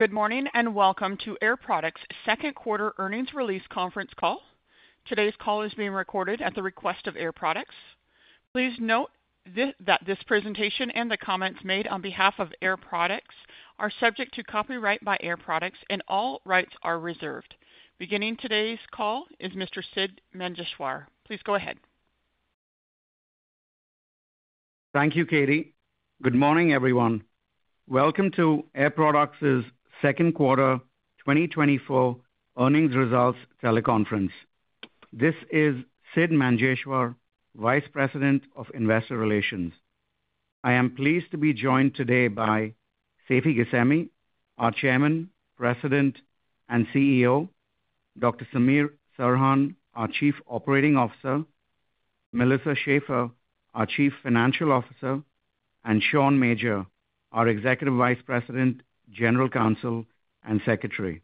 Good morning, and welcome to Air Products' second quarter earnings release conference call. Today's call is being recorded at the request of Air Products. Please note that this presentation and the comments made on behalf of Air Products are subject to copyright by Air Products, and all rights are reserved. Beginning today's call is Mr. Sidd Manjeshwar. Please go ahead. Thank you, Katie. Good morning, everyone. Welcome to Air Products' second quarter 2024 earnings results teleconference. This is Sidd Manjeshwar, Vice President of Investor Relations. I am pleased to be joined today by Seifi Ghasemi, our chairman, president, and CEO; Dr. Samir Serhan, our chief operating officer; Melissa Schaeffer, our chief financial officer, and Sean Major, our executive vice president, general counsel, and secretary.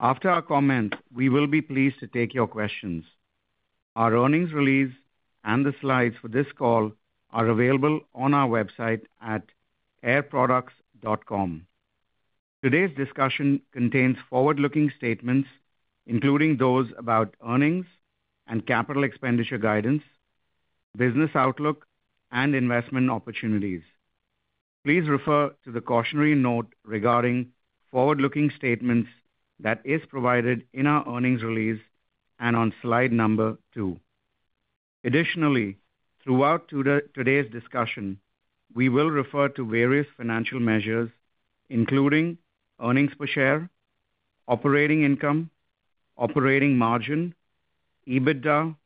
After our comments, we will be pleased to take your questions. Our earnings release and the slides for this call are available on our website at airproducts.com. Today's discussion contains forward-looking statements, including those about earnings and capital expenditure guidance, business outlook, and investment opportunities. Please refer to the cautionary note regarding forward-looking statements that is provided in our earnings release and on slide number two. Additionally, throughout today's discussion, we will refer to various financial measures, including earnings per share, operating income, operating margin, EBITDA,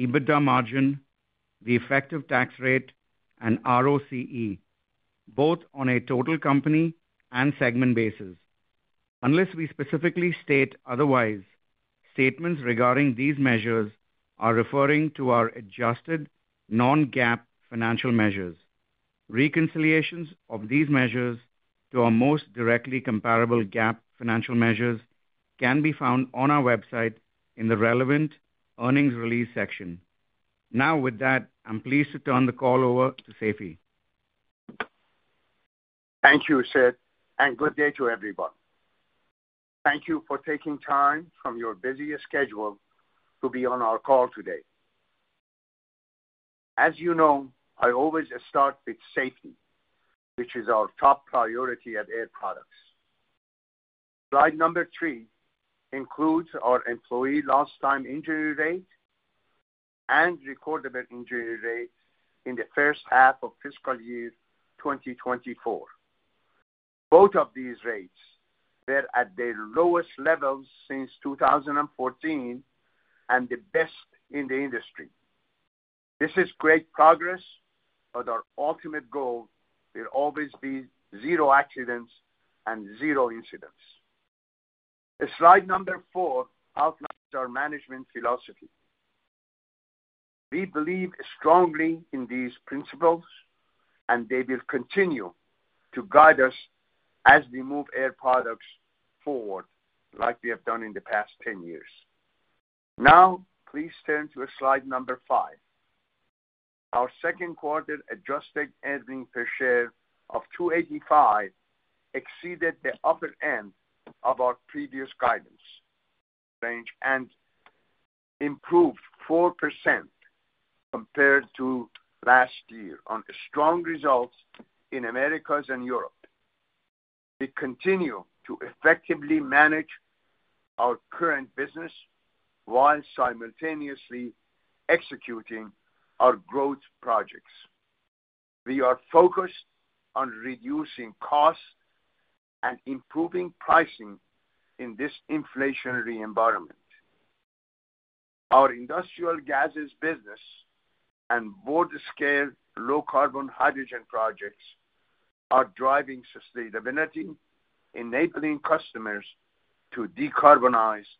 EBITDA margin, the effective tax rate, and ROCE, both on a total company and segment basis. Unless we specifically state otherwise, statements regarding these measures are referring to our adjusted non-GAAP financial measures. Reconciliations of these measures to our most directly comparable GAAP financial measures can be found on our website in the relevant earnings release section. Now, with that, I'm pleased to turn the call over to Seifi. Thank you, Sid, and good day to everyone. Thank you for taking time from your busy schedule to be on our call today. As you know, I always start with safety, which is our top priority at Air Products. Slide number three includes our employee lost time injury rate and recordable injury rate in the first half of fiscal year 2024. Both of these rates were at their lowest levels since 2014 and the best in the industry. This is great progress, but our ultimate goal will always be zero accidents and zero incidents. Slide number four outlines our management philosophy. We believe strongly in these principles, and they will continue to guide us as we move Air Products forward, like we have done in the past 10 years. Now, please turn to slide number five. Our second quarter adjusted earnings per share of $2.85 exceeded the upper end of our previous guidance range and improved 4% compared to last year on strong results in Americas and Europe. We continue to effectively manage our current business while simultaneously executing our growth projects. We are focused on reducing costs and improving pricing in this inflationary environment. Our industrial gases business and world-scale low carbon hydrogen projects are driving sustainability, enabling customers to decarbonize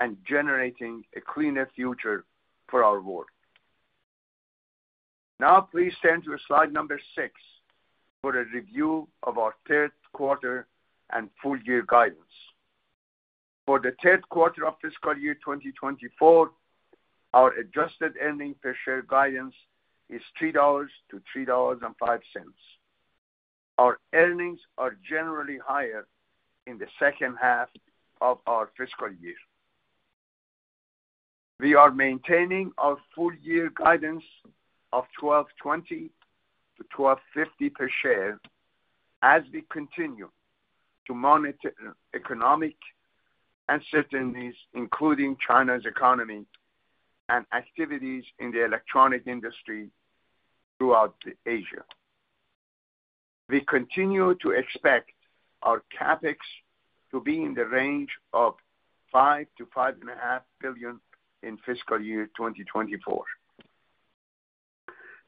and generating a cleaner future for our world. Now, please turn to slide six for a review of our third quarter and full year guidance. For the third quarter of fiscal year 2024, our adjusted earnings per share guidance is $3-$3.05. Our earnings are generally higher in the second half of our fiscal year. We are maintaining our full year guidance of $12.20-$12.50 per share as we continue to monitor economic uncertainties, including China's economy and activities in the electronic industry throughout Asia. We continue to expect our CapEx to be in the range of $5-$5.5 billion in fiscal year 2024.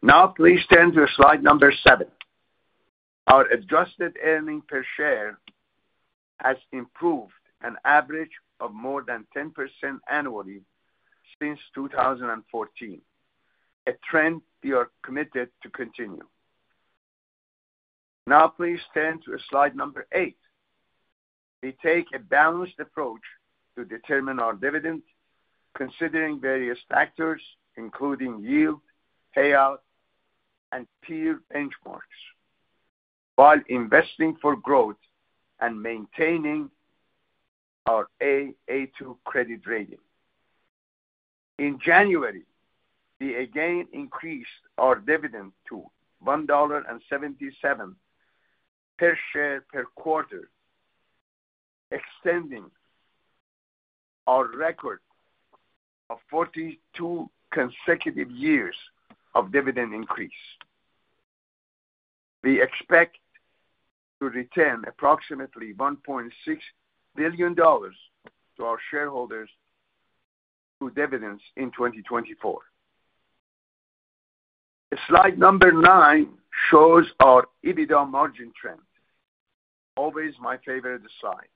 Now, please turn to slide seven. Our adjusted earnings per share has improved an average of more than 10% annually since 2014, a trend we are committed to continue. Now, please turn to slide eight. We take a balanced approach to determine our dividend, considering various factors including yield, payout... and peer benchmarks, while investing for growth and maintaining our A2 credit rating. In January, we again increased our dividend to $1.77 per share per quarter, extending our record of 42 consecutive years of dividend increase. We expect to return approximately $1.6 billion to our shareholders through dividends in 2024. Slide number nine shows our EBITDA margin trend. Always my favorite slide.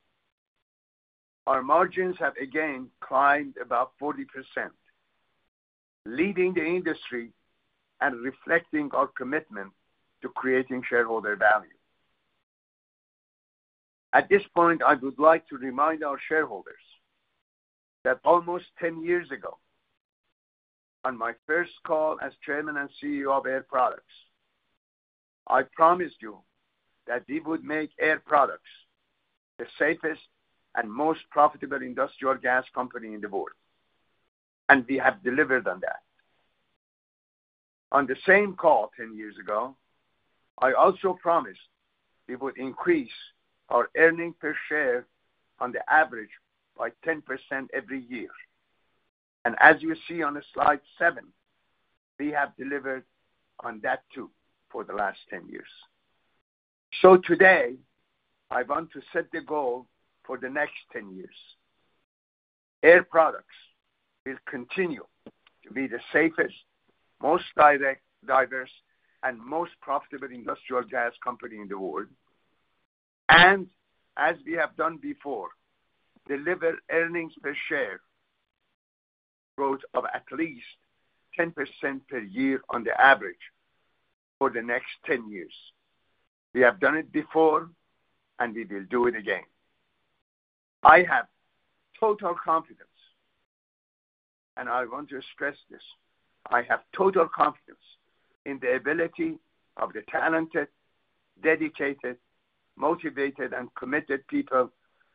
Our margins have again climbed above 40%, leading the industry and reflecting our commitment to creating shareholder value. At this point, I would like to remind our shareholders that almost 10 years ago, on my first call as Chairman and CEO of Air Products, I promised you that we would make Air Products the safest and most profitable industrial gas company in the world, and we have delivered on that. On the same call 10 years ago, I also promised we would increase our earnings per share on the average by 10% every year. As you see on slide seven, we have delivered on that, too, for the last 10 years. Today, I want to set the goal for the next 10 years. Air Products will continue to be the safest, most direct, diverse, and most profitable industrial gas company in the world, and as we have done before, deliver earnings per share growth of at least 10% per year on the average for the next 10 years. We have done it before, and we will do it again. I have total confidence, and I want to stress this. I have total confidence in the ability of the talented, dedicated, motivated, and committed people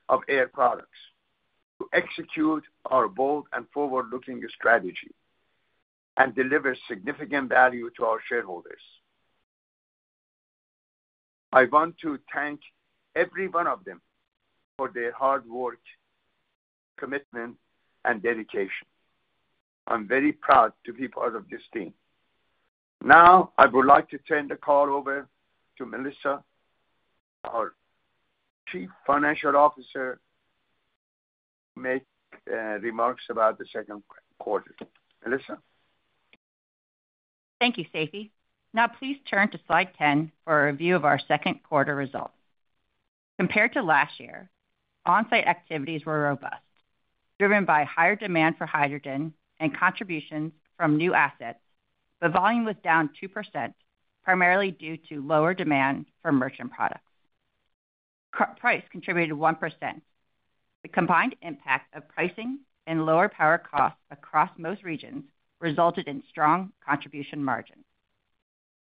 of Air Products to execute our bold and forward-looking strategy and deliver significant value to our shareholders. I want to thank every one of them for their hard work, commitment, and dedication. I'm very proud to be part of this team. Now, I would like to turn the call over to Melissa, our Chief Financial Officer, to make remarks about the second quarter. Melissa? Thank you, Seifi. Now, please turn to slide 10 for a review of our second quarter results. Compared to last year, on-site activities were robust, driven by higher demand for hydrogen and contributions from new assets. But volume was down 2%, primarily due to lower demand for merchant products. Price contributed 1%. The combined impact of pricing and lower power costs across most regions resulted in strong contribution margins.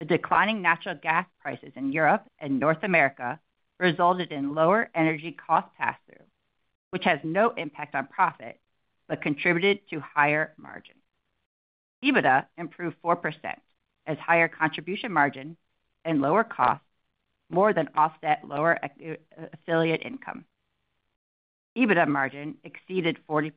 The declining natural gas prices in Europe and North America resulted in lower energy cost pass-through, which has no impact on profit, but contributed to higher margins. EBITDA improved 4%, as higher contribution margin and lower costs more than offset lower equity affiliate income. EBITDA margin exceeded 40%,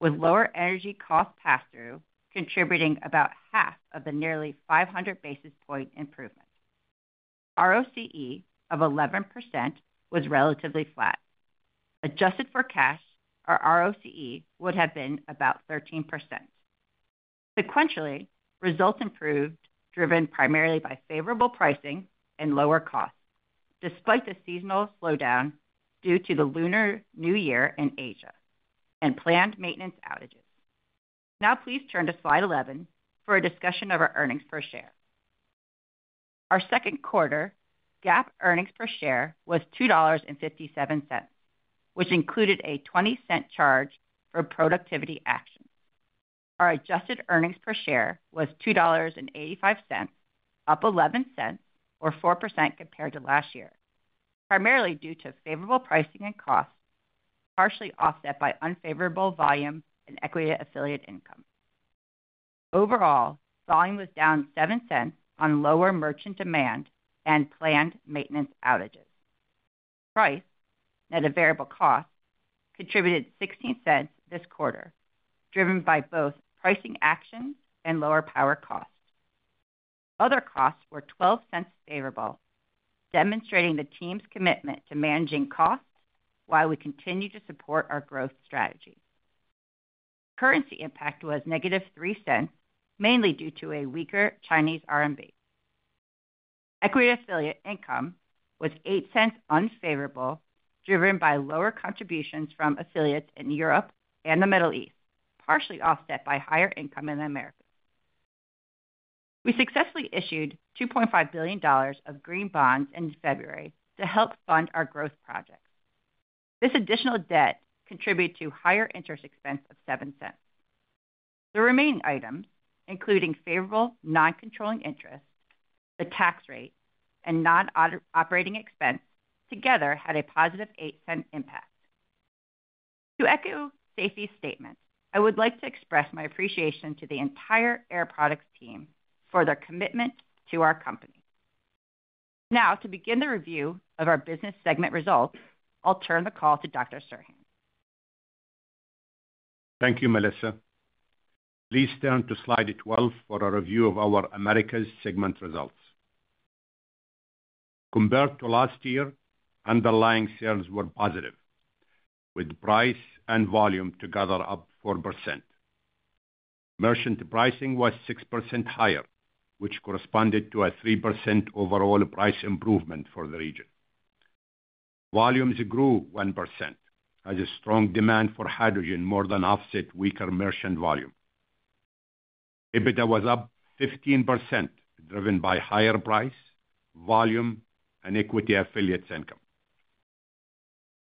with lower energy costs pass-through, contributing about half of the nearly 500 basis point improvement. ROCE of 11% was relatively flat. Adjusted for cash, our ROCE would have been about 13%. Sequentially, results improved, driven primarily by favorable pricing and lower costs, despite the seasonal slowdown due to the Lunar New Year in Asia and planned maintenance outages. Now, please turn to slide 11 for a discussion of our earnings per share. Our second quarter GAAP earnings per share was $2.57, which included a $0.20 charge for productivity actions. Our adjusted earnings per share was $2.85, up 11 cents or 4% compared to last year, primarily due to favorable pricing and costs, partially offset by unfavorable volume and equity affiliate income. Overall, volume was down seven cents on lower merchant demand and planned maintenance outages. Price at a variable cost contributed 16 cents this quarter, driven by both pricing actions and lower power costs. Other costs were $0.12 favorable, demonstrating the team's commitment to managing costs while we continue to support our growth strategy. Currency impact was -$0.03, mainly due to a weaker Chinese RMB. Equity affiliate income was -$0.08 unfavorable, driven by lower contributions from affiliates in Europe and the Middle East, partially offset by higher income in the Americas. We successfully issued $2.5 billion of green bonds in February to help fund our growth projects. This additional debt contributed to higher interest expense of $0.07. The remaining items, including favorable non-controlling interest, the tax rate, and non-operating expense, together had a +$0.08 impact. To echo Seifi's statement, I would like to express my appreciation to the entire Air Products team for their commitment to our company. Now, to begin the review of our business segment results, I'll turn the call to Dr. Serhan. Thank you, Melissa. Please turn to slide 12 for a review of our Americas segment results. Compared to last year, underlying sales were positive, with price and volume together up 4%. Merchant pricing was 6% higher, which corresponded to a 3% overall price improvement for the region. Volumes grew 1%, as a strong demand for hydrogen more than offset weaker merchant volume. EBITDA was up 15%, driven by higher price, volume, and equity affiliates income.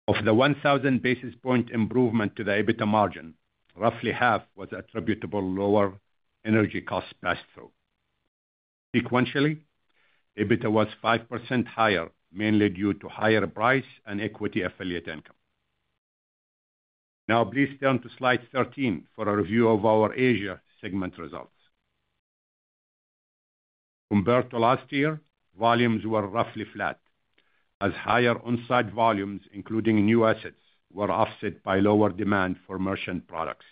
Of the 1,000 basis point improvement to the EBITDA margin, roughly half was attributable lower energy costs passed through. Sequentially, EBITDA was 5% higher, mainly due to higher price and equity affiliate income. Now please turn to slide 13 for a review of our Asia segment results. Compared to last year, volumes were roughly flat, as higher on-site volumes, including new assets, were offset by lower demand for merchant products,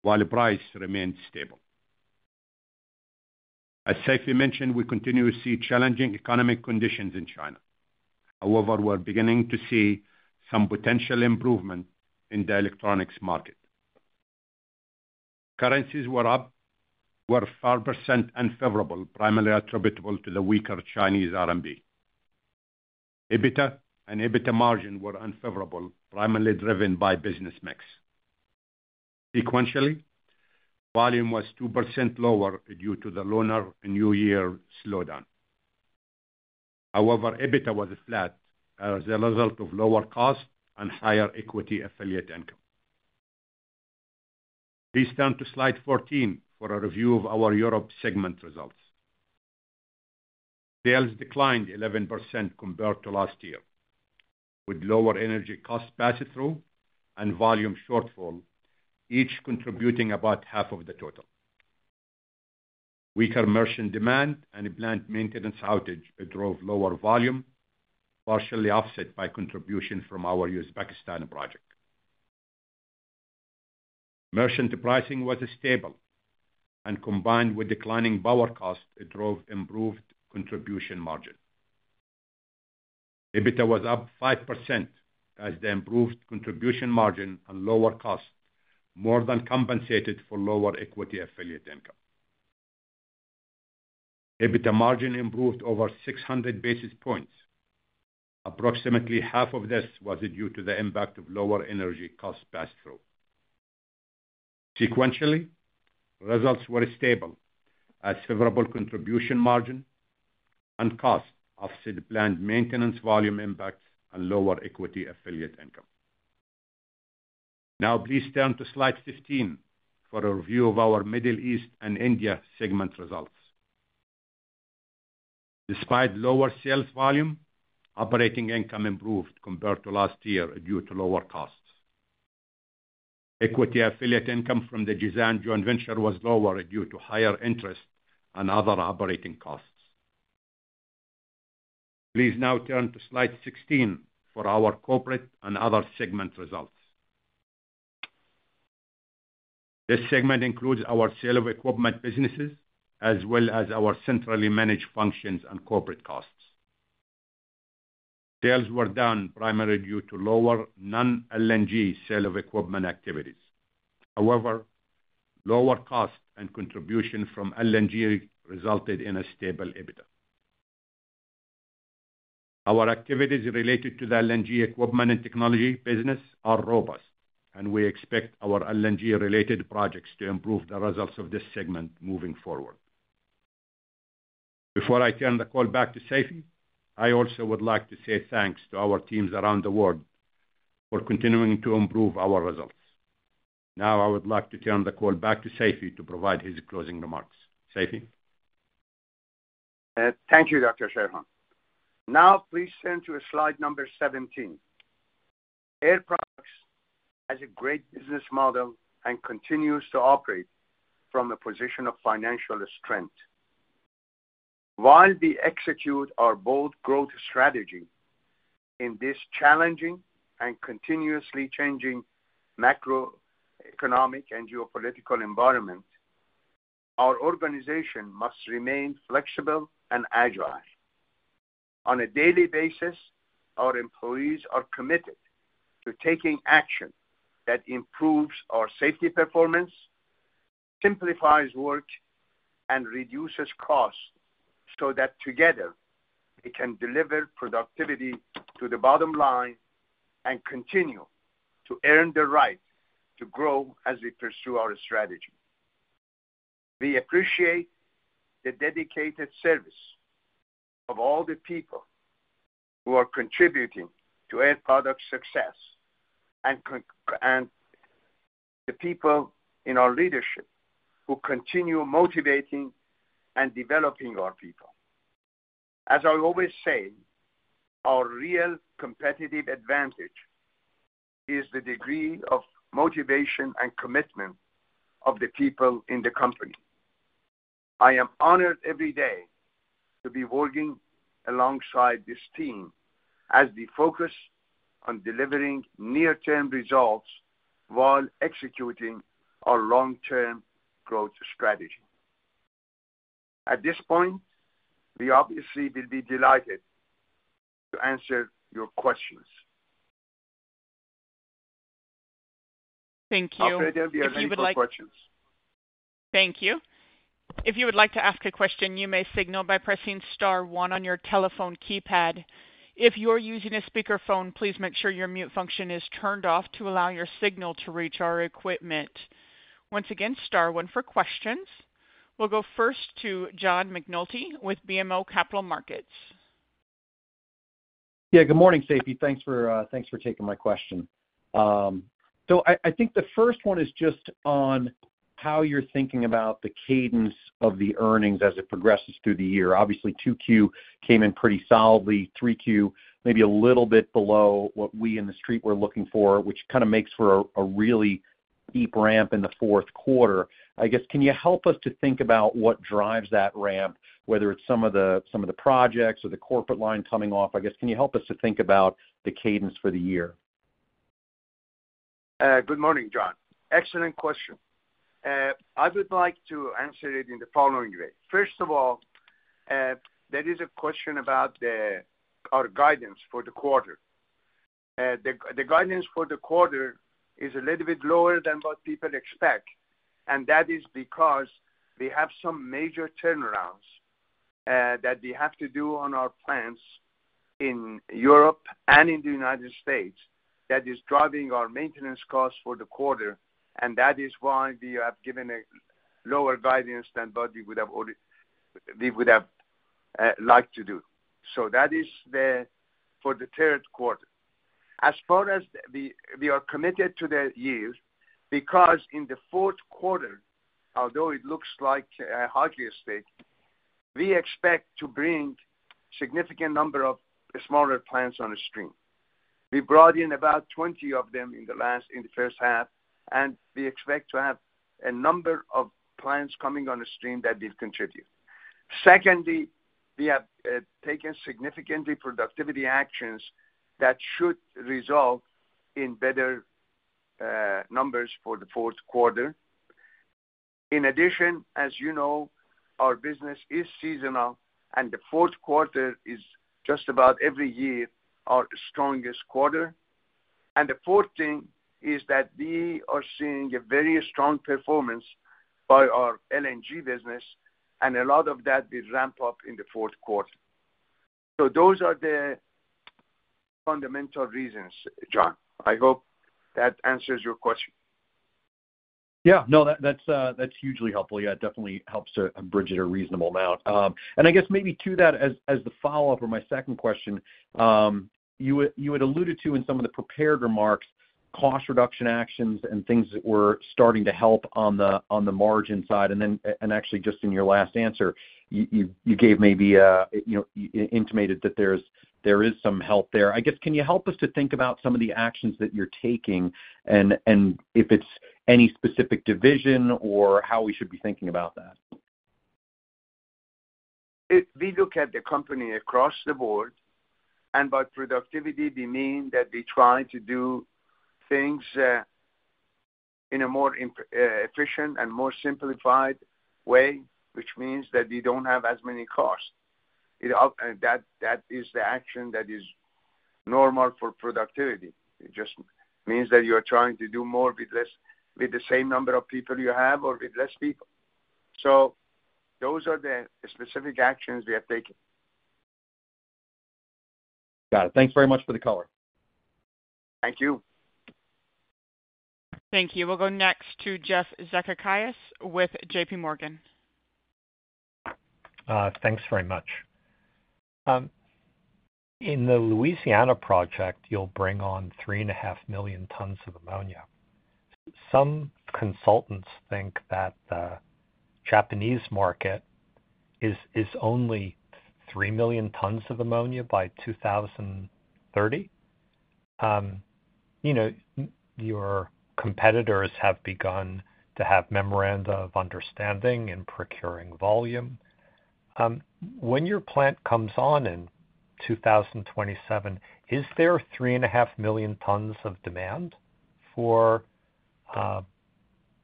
while price remained stable. As Seifi mentioned, we continue to see challenging economic conditions in China. However, we're beginning to see some potential improvement in the electronics market. Currencies were up, were 4% unfavorable, primarily attributable to the weaker Chinese RMB. EBITDA and EBITDA margin were unfavorable, primarily driven by business mix. Sequentially, volume was 2% lower due to the Lunar New Year slowdown. However, EBITDA was flat as a result of lower cost and higher equity affiliate income. Please turn to slide 14 for a review of our Europe segment results. Sales declined 11% compared to last year, with lower energy cost pass-through and volume shortfall, each contributing about half of the total. Weaker merchant demand and plant maintenance outage drove lower volume, partially offset by contribution from our Uzbekistan project. Merchant pricing was stable, and combined with declining power cost, it drove improved contribution margin. EBITDA was up 5% as the improved contribution margin and lower cost more than compensated for lower equity affiliate income. EBITDA margin improved over 600 basis points. Approximately half of this was due to the impact of lower energy costs passed through. Sequentially, results were stable as favorable contribution margin and cost offset plant maintenance volume impacts and lower equity affiliate income. Now please turn to slide 15 for a review of our Middle East and India segment results. Despite lower sales volume, operating income improved compared to last year due to lower costs. Equity affiliate income from the Jizan joint venture was lower due to higher interest and other operating costs. Please now turn to slide 16 for our corporate and other segment results. This segment includes our sales of equipment businesses, as well as our centrally managed functions and corporate costs. Sales were down primarily due to lower non-LNG sales of equipment activities. However, lower costs and contribution from LNG resulted in a stable EBITDA. Our activities related to the LNG equipment and technology business are robust, and we expect our LNG-related projects to improve the results of this segment moving forward. Before I turn the call back to Seifi, I also would like to say thanks to our teams around the world for continuing to improve our results. Now, I would like to turn the call back to Seifi to provide his closing remarks. Seifi? Thank you, Dr. Serhan. Now, please turn to slide number 17. Air Products has a great business model and continues to operate from a position of financial strength. While we execute our bold growth strategy in this challenging and continuously changing macroeconomic and geopolitical environment, our organization must remain flexible and agile. On a daily basis, our employees are committed to taking action that improves our safety performance, simplifies work, and reduces costs, so that together we can deliver productivity to the bottom line and continue to earn the right to grow as we pursue our strategy. We appreciate the dedicated service of all the people who are contributing to Air Products' success, and the people in our leadership who continue motivating and developing our people. As I always say, our real competitive advantage is the degree of motivation and commitment of the people in the company. I am honored every day to be working alongside this team as we focus on delivering near-term results while executing our long-term growth strategy. At this point, we obviously will be delighted to answer your questions. Thank you. Operator, we are ready for questions. Thank you. If you would like to ask a question, you may signal by pressing star one on your telephone keypad. If you're using a speakerphone, please make sure your mute function is turned off to allow your signal to reach our equipment. Once again, star one for questions. We'll go first to John McNulty with BMO Capital Markets. Yeah, good morning, Seifi. Thanks for taking my question. So I think the first one is just on how you're thinking about the cadence of the earnings as it progresses through the year. Obviously, 2Q came in pretty solidly, 3Q maybe a little bit below what we in the street were looking for, which kind of makes for a really steep ramp in the fourth quarter. I guess, can you help us to think about what drives that ramp, whether it's some of the projects or the corporate line coming off? I guess, can you help us to think about the cadence for the year? Good morning, John. Excellent question. I would like to answer it in the following way. First of all, there is a question about our guidance for the quarter. The guidance for the quarter is a little bit lower than what people expect, and that is because we have some major turnarounds that we have to do on our plants in Europe and in the United States. That is driving our maintenance costs for the quarter, and that is why we have given a lower guidance than what we would have liked to do. So that is for the third quarter. As far as we are committed to the year, because in the fourth quarter, although it looks like a steady state, we expect to bring significant number of smaller plants on stream. We brought in about 20 of them in the first half, and we expect to have a number of plants coming on the stream that will contribute. Secondly, we have taken significant productivity actions that should result in better numbers for the fourth quarter. In addition, as you know, our business is seasonal, and the fourth quarter is, just about every year, our strongest quarter. And the fourth thing is that we are seeing a very strong performance by our LNG business, and a lot of that will ramp up in the fourth quarter. So those are the fundamental reasons, John. I hope that answers your question. Yeah. No, that, that's hugely helpful. Yeah, it definitely helps to bridge it a reasonable amount. And I guess maybe to that, as the follow-up or my second question, you had alluded to in some of the prepared remarks, cost reduction actions and things that were starting to help on the margin side. And then, actually just in your last answer, you gave maybe, you know, intimated that there's there is some help there. I guess, can you help us to think about some of the actions that you're taking, and if it's any specific division or how we should be thinking about that? If we look at the company across the board, and by productivity, we mean that we try to do things in a more efficient and more simplified way, which means that we don't have as many costs. It all, and that, that is the action that is normal for productivity. It just means that you are trying to do more with less, with the same number of people you have or with less people. So those are the specific actions we are taking. Got it. Thanks very much for the color. Thank you. Thank you. We'll go next to Jeff Zekauskas with JP Morgan. Thanks very much. In the Louisiana project, you'll bring on 3.5 million tons of ammonia. Some consultants think that the Japanese market is only 3 million tons of ammonia by 2030. You know, your competitors have begun to have memoranda of understanding and procuring volume. When your plant comes on in 2027, is there 3.5 million tons of demand for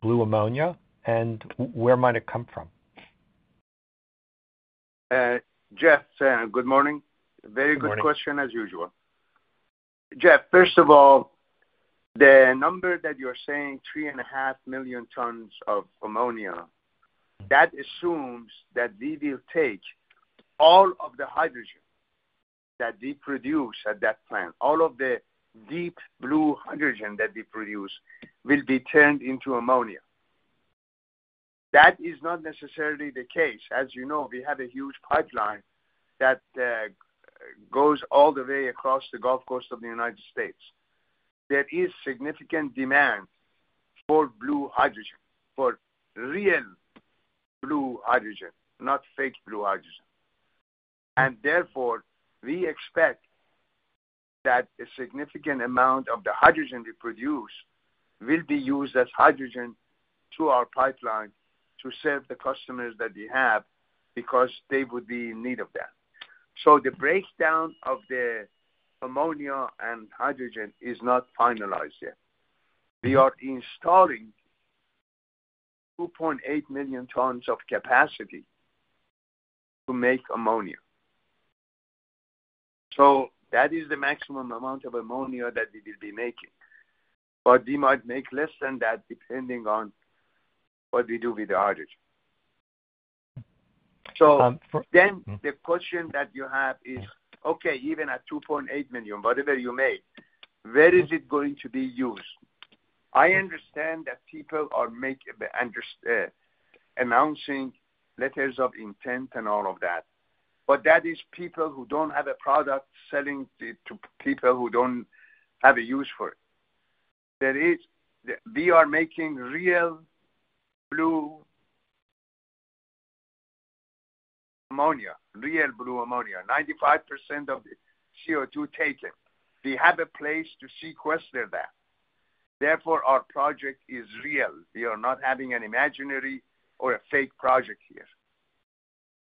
blue ammonia, and where might it come from? Jeff, good morning. Good morning. Very good question as usual. Jeff, first of all, the number that you're saying, 3.5 million tons of ammonia, that assumes that we will take all of the hydrogen that we produce at that plant, all of the deep blue hydrogen that we produce will be turned into ammonia. That is not necessarily the case. As you know, we have a huge pipeline that goes all the way across the Gulf Coast of the United States. There is significant demand for blue hydrogen, for real blue hydrogen, not fake blue hydrogen. And therefore, we expect that a significant amount of the hydrogen we produce will be used as hydrogen to our pipeline to serve the customers that we have, because they would be in need of that. So the breakdown of the ammonia and hydrogen is not finalized yet. We are installing 2.8 million tons of capacity to make ammonia. So that is the maximum amount of ammonia that we will be making, but we might make less than that, depending on what we do with the hydrogen. So then the question that you have is, okay, even at 2.8 million, whatever you make, where is it going to be used? I understand that people are making, announcing letters of intent and all of that, but that is people who don't have a product selling it to people who don't have a use for it. There is. We are making real blue ammonia, real blue ammonia, 95% of the CO2 taken. We have a place to sequester that. Therefore, our project is real. We are not having an imaginary or a fake project here,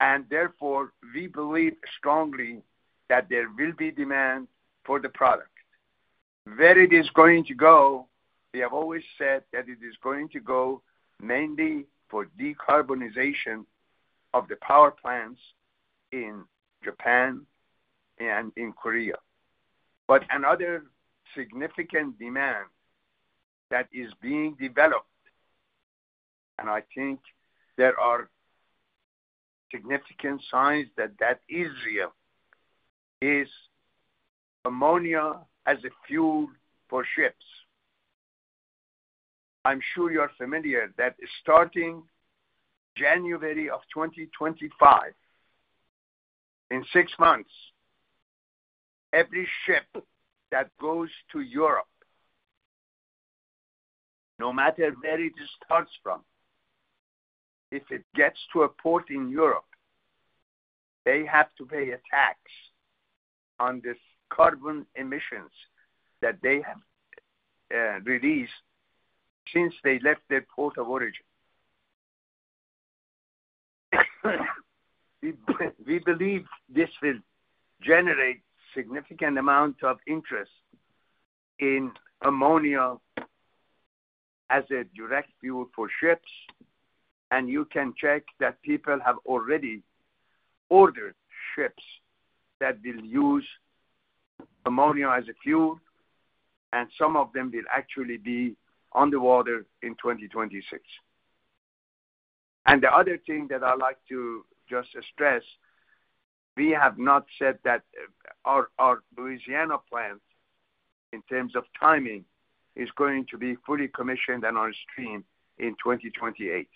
and therefore, we believe strongly that there will be demand for the product. Where it is going to go, we have always said that it is going to go mainly for decarbonization of the power plants in Japan and in Korea. But another significant demand that is being developed, and I think there are significant signs that that is real, is ammonia as a fuel for ships. I'm sure you're familiar, that starting January of 2025, in six months, every ship that goes to Europe, no matter where it starts from, if it gets to a port in Europe, they have to pay a tax on this carbon emissions that they have released since they left their port of origin. We believe this will generate significant amount of interest in ammonia as a direct fuel for ships, and you can check that people have already ordered ships that will use ammonia as a fuel, and some of them will actually be on the water in 2026. And the other thing that I'd like to just stress, we have not said that our Louisiana plant, in terms of timing, is going to be fully commissioned and on stream in 2028.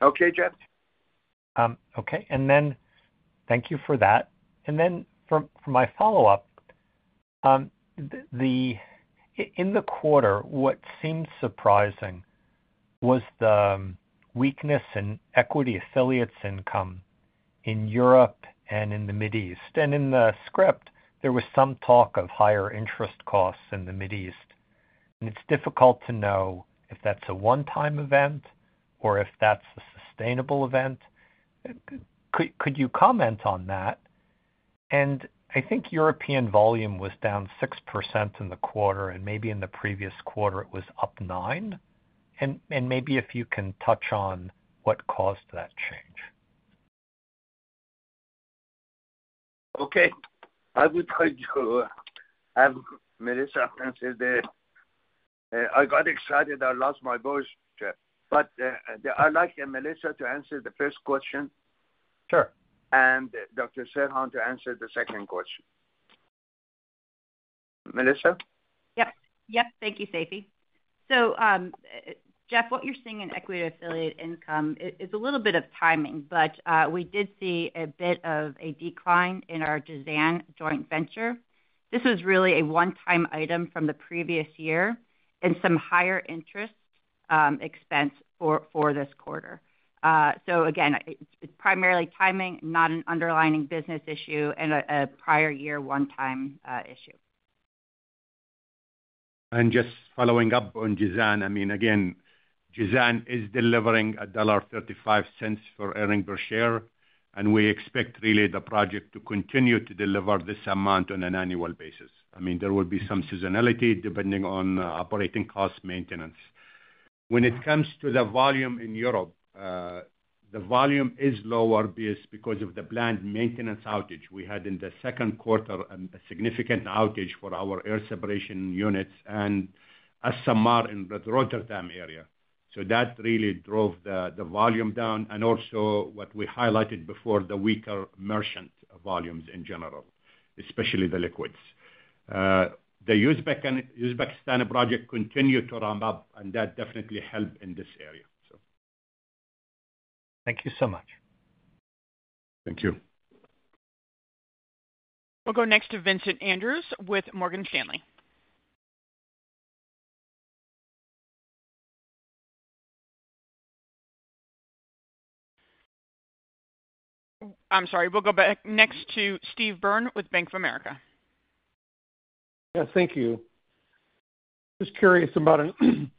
Okay, Jeff? Okay. And then thank you for that. And then for my follow-up, the... In the quarter, what seemed surprising was the weakness in equity affiliates income in Europe and in the Middle East. And in the script, there was some talk of higher interest costs in the Middle East, and it's difficult to know if that's a one-time event or if that's a sustainable event. Could you comment on that? And I think European volume was down 6% in the quarter, and maybe in the previous quarter it was up 9%. And maybe if you can touch on what caused that change. Okay. I would like to have Melissa answer the... I got excited. I lost my voice, Jeff. But, I'd like, Melissa to answer the first question. Sure. Dr. Serhan to answer the second question. Melissa? Yep. Yep. Thank you, Seifi. So, Jeff, what you're seeing in equity affiliate income is a little bit of timing, but we did see a bit of a decline in our Jizan joint venture. This is really a one-time item from the previous year and some higher interest expense for this quarter. So again, it it's primarily timing, not an underlying business issue and a prior year one-time issue. Just following up on Jizan, I mean, again, Jizan is delivering $1.35 in earnings per share, and we expect really the project to continue to deliver this amount on an annual basis. I mean, there will be some seasonality depending on operating cost maintenance. When it comes to the volume in Europe, the volume is lower because of the planned maintenance outage we had in the second quarter, and a significant outage for our air separation units and ASUs in the Rotterdam area. ... So that really drove the volume down, and also what we highlighted before, the weaker merchant volumes in general, especially the liquids. The Uzbekistan project continued to ramp up, and that definitely helped in this area, so. Thank you so much. Thank you. We'll go next to Vincent Andrews with Morgan Stanley. I'm sorry. We'll go back next to Steve Byrne with Bank of America. Yeah, thank you. Just curious about and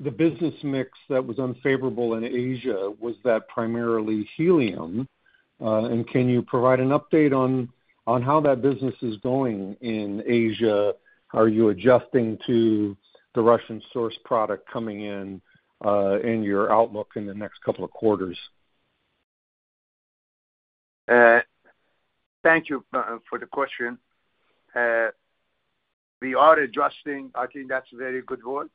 the business mix that was unfavorable in Asia. Was that primarily helium? And can you provide an update on how that business is going in Asia? Are you adjusting to the Russian source product coming in in your outlook in the next couple of quarters? Thank you for the question. We are adjusting. I think that's a very good word.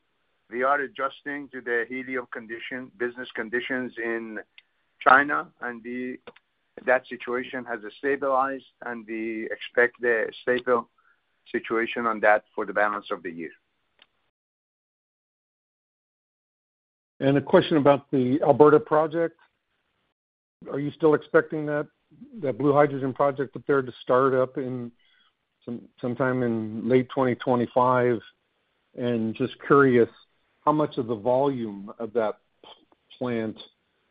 We are adjusting to the helium condition, business conditions in China, and that situation has stabilized, and we expect a stable situation on that for the balance of the year. A question about the Alberta project. Are you still expecting that blue hydrogen project up there to start up sometime in late 2025? And just curious, how much of the volume of that plant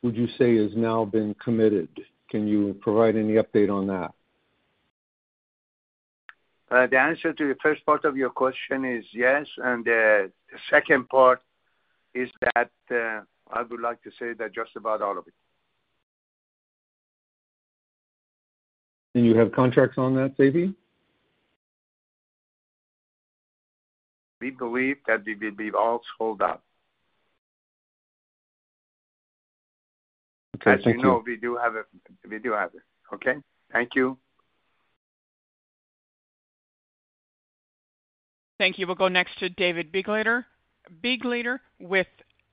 would you say has now been committed? Can you provide any update on that? The answer to the first part of your question is yes, and the second part is that I would like to say that just about all of it. You have contracts on that, Seifi? We believe that we will be all sold out. Okay, thank you. As you know, we do have it. Okay? Thank you. Thank you. We'll go next to David Begleiter with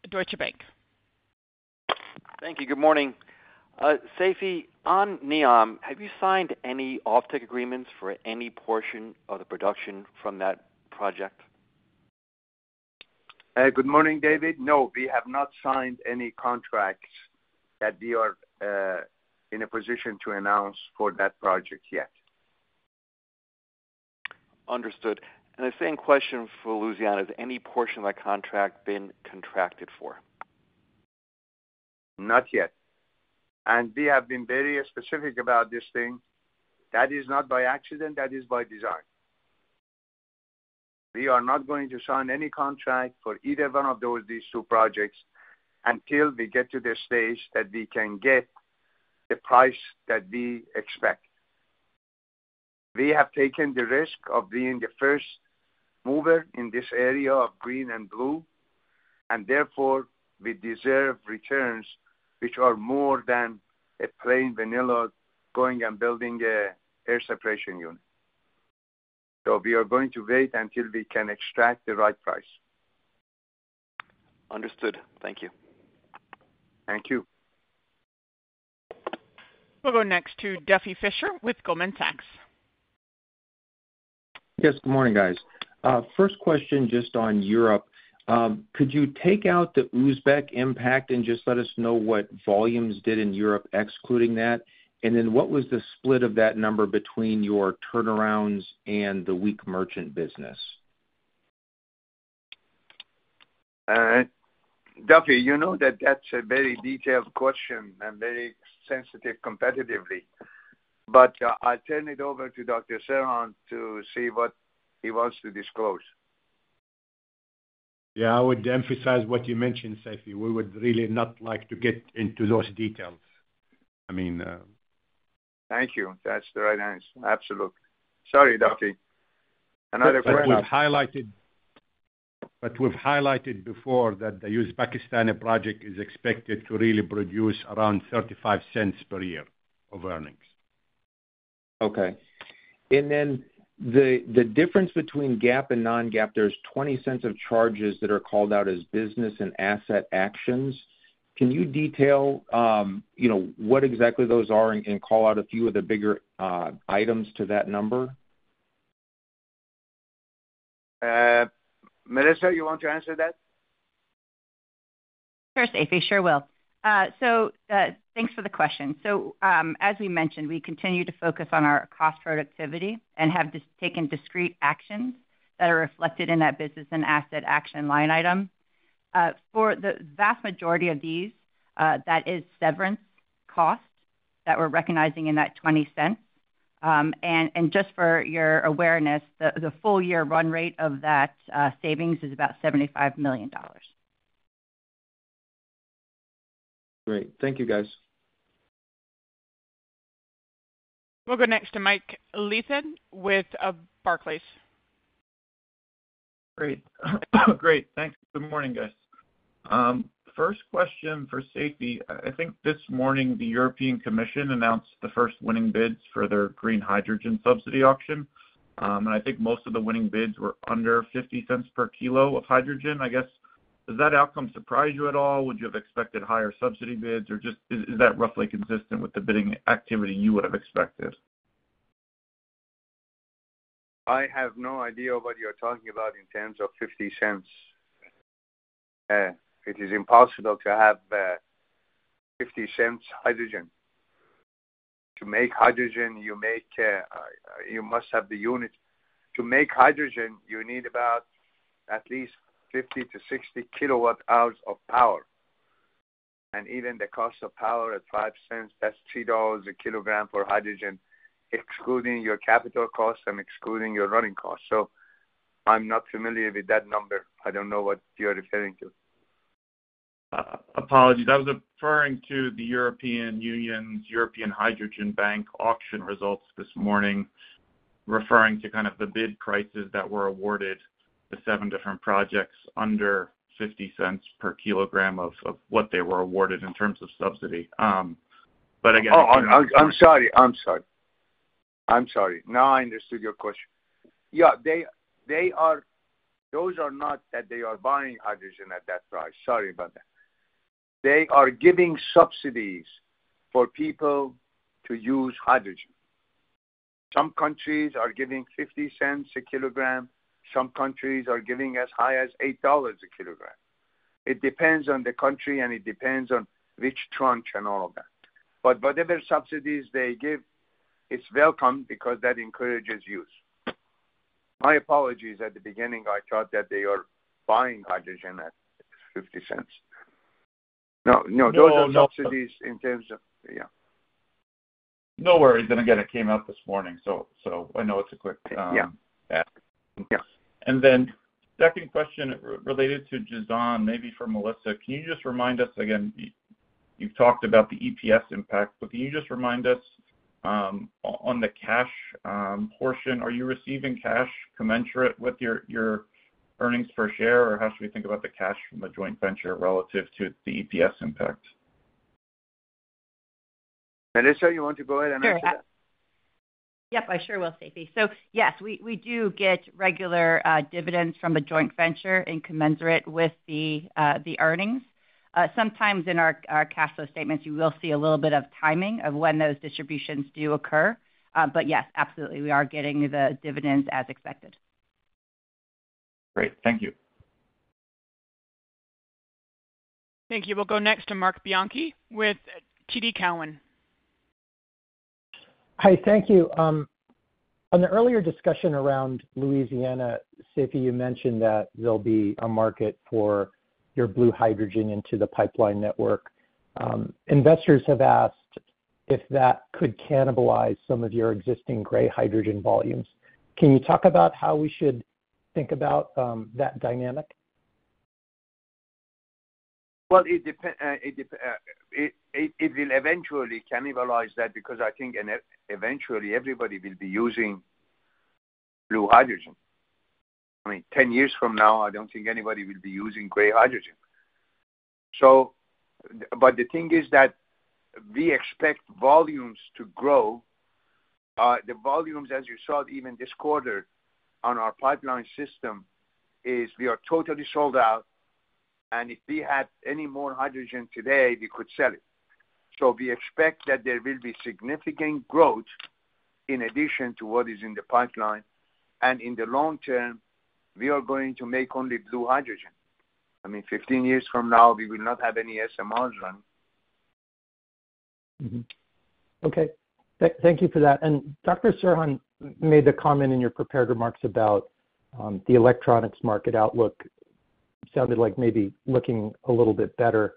Deutsche Bank. Thank you. Good morning. Seifi, on NEOM, have you signed any offtake agreements for any portion of the production from that project? Good morning, David. No, we have not signed any contracts that we are in a position to announce for that project yet. Understood. And the same question for Louisiana. Has any portion of that contract been contracted for? Not yet. And we have been very specific about this thing. That is not by accident, that is by design. We are not going to sign any contract for either one of those, these two projects until we get to the stage that we can get the price that we expect. We have taken the risk of being the first mover in this area of green and blue, and therefore we deserve returns which are more than a plain vanilla going and building an air separation unit. So we are going to wait until we can extract the right price. Understood. Thank you. Thank you. We'll go next to Duffy Fischer with Goldman Sachs. Yes, good morning, guys. First question, just on Europe. Could you take out the Uzbek impact and just let us know what volumes did in Europe, excluding that? And then what was the split of that number between your turnarounds and the weak merchant business? Duffy, you know that that's a very detailed question and very sensitive competitively. But, I turn it over to Dr. Serhan to see what he wants to disclose. Yeah, I would emphasize what you mentioned, Seifi. We would really not like to get into those details. I mean, Thank you. That's the right answer. Absolutely. Sorry, Duffy. Another quick one. But we've highlighted before that the Uzbekistan project is expected to really produce around $0.35 per year of earnings. Okay. And then the difference between GAAP and non-GAAP, there's $0.20 of charges that are called out as business and asset actions. Can you detail, you know, what exactly those are and call out a few of the bigger items to that number? Melissa, you want to answer that? Sure, Seifi, sure will. So, thanks for the question. So, as we mentioned, we continue to focus on our cost productivity and have taken discrete actions that are reflected in that business and asset action line item. For the vast majority of these, that is severance costs that we're recognizing in that $0.20. And just for your awareness, the full year run rate of that savings is about $75 million. Great. Thank you, guys. We'll go next to Mike Liston with Barclays. Great. Great, thanks. Good morning, guys. First question for Seifi. I think this morning the European Commission announced the first winning bids for their green hydrogen subsidy auction. And I think most of the winning bids were under $0.50 per kilo of hydrogen, I guess. Does that outcome surprise you at all? Would you have expected higher subsidy bids, or just is that roughly consistent with the bidding activity you would have expected? I have no idea what you're talking about in terms of $0.50. It is impossible to have $0.50 hydrogen. To make hydrogen, you must have the unit. To make hydrogen, you need about at least 50 kWh-60 kWh of power. And even the cost of power at $0.05, that's $2 a kilogram for hydrogen, excluding your capital costs and excluding your running costs. So I'm not familiar with that number. I don't know what you're referring to. Apologies. I was referring to the European Union's European Hydrogen Bank auction results this morning, referring to kind of the bid prices that were awarded the seven different projects under $0.50 per kilogram of what they were awarded in terms of subsidy. But again- Oh, I'm sorry. I'm sorry. I'm sorry. Now I understood your question. Yeah, they are—those are not that they are buying hydrogen at that price. Sorry about that. They are giving subsidies for people to use hydrogen. Some countries are giving $0.50 a kilogram, some countries are giving as high as $8 a kilogram. It depends on the country, and it depends on which tranche and all of that. But whatever subsidies they give, it's welcome because that encourages use. My apologies, at the beginning, I thought that they are buying hydrogen at $0.50. No, no, those are subsidies in terms of... Yeah. No worries. Again, it came out this morning, so I know it's a quick, yeah. Yeah. Second question related to Jizan, maybe for Melissa. Can you just remind us again, you've talked about the EPS impact, but can you just remind us, on the cash portion, are you receiving cash commensurate with your earnings per share, or how should we think about the cash from the joint venture relative to the EPS impact? Melissa, you want to go ahead and answer that? Sure. Yep, I sure will, Seifi. So yes, we do get regular dividends from the joint venture commensurate with the earnings. Sometimes in our cash flow statements, you will see a little bit of timing of when those distributions do occur. But yes, absolutely, we are getting the dividends as expected. Great. Thank you. Thank you. We'll go next to Mark Bianchi with TD Cowen. Hi, thank you. On the earlier discussion around Louisiana, Seifi, you mentioned that there'll be a market for your blue hydrogen into the pipeline network. Investors have asked if that could cannibalize some of your existing gray hydrogen volumes. Can you talk about how we should think about that dynamic? Well, it depend, it depend, it, it, it will eventually cannibalize that because I think in eventually everybody will be using blue hydrogen. I mean, 10 years from now, I don't think anybody will be using gray hydrogen. So, but the thing is that we expect volumes to grow. The volumes, as you saw, even this quarter on our pipeline system, is we are totally sold out, and if we had any more hydrogen today, we could sell it. So we expect that there will be significant growth in addition to what is in the pipeline, and in the long term, we are going to make only blue hydrogen. I mean, 15 years from now, we will not have any SMRs run. Mm-hmm. Okay. Thank you for that. Dr. Serhan made the comment in your prepared remarks about the electronics market outlook. Sounded like maybe looking a little bit better.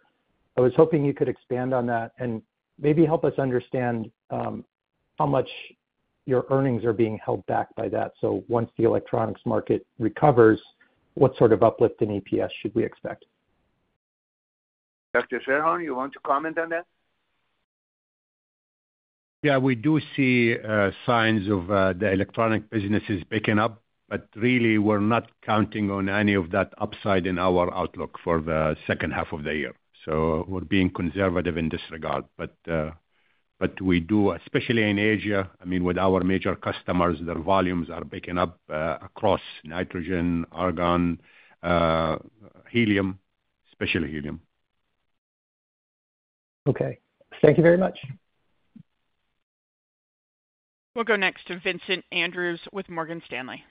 I was hoping you could expand on that and maybe help us understand how much your earnings are being held back by that. So once the electronics market recovers, what sort of uplift in EPS should we expect? Dr. Serhan, you want to comment on that? Yeah, we do see signs of the electronic businesses picking up, but really, we're not counting on any of that upside in our outlook for the second half of the year. So we're being conservative in this regard. But we do, especially in Asia, I mean, with our major customers, their volumes are picking up across nitrogen, argon, helium, especially helium. Okay. Thank you very much. We'll go next to Vincent Andrews with Morgan Stanley.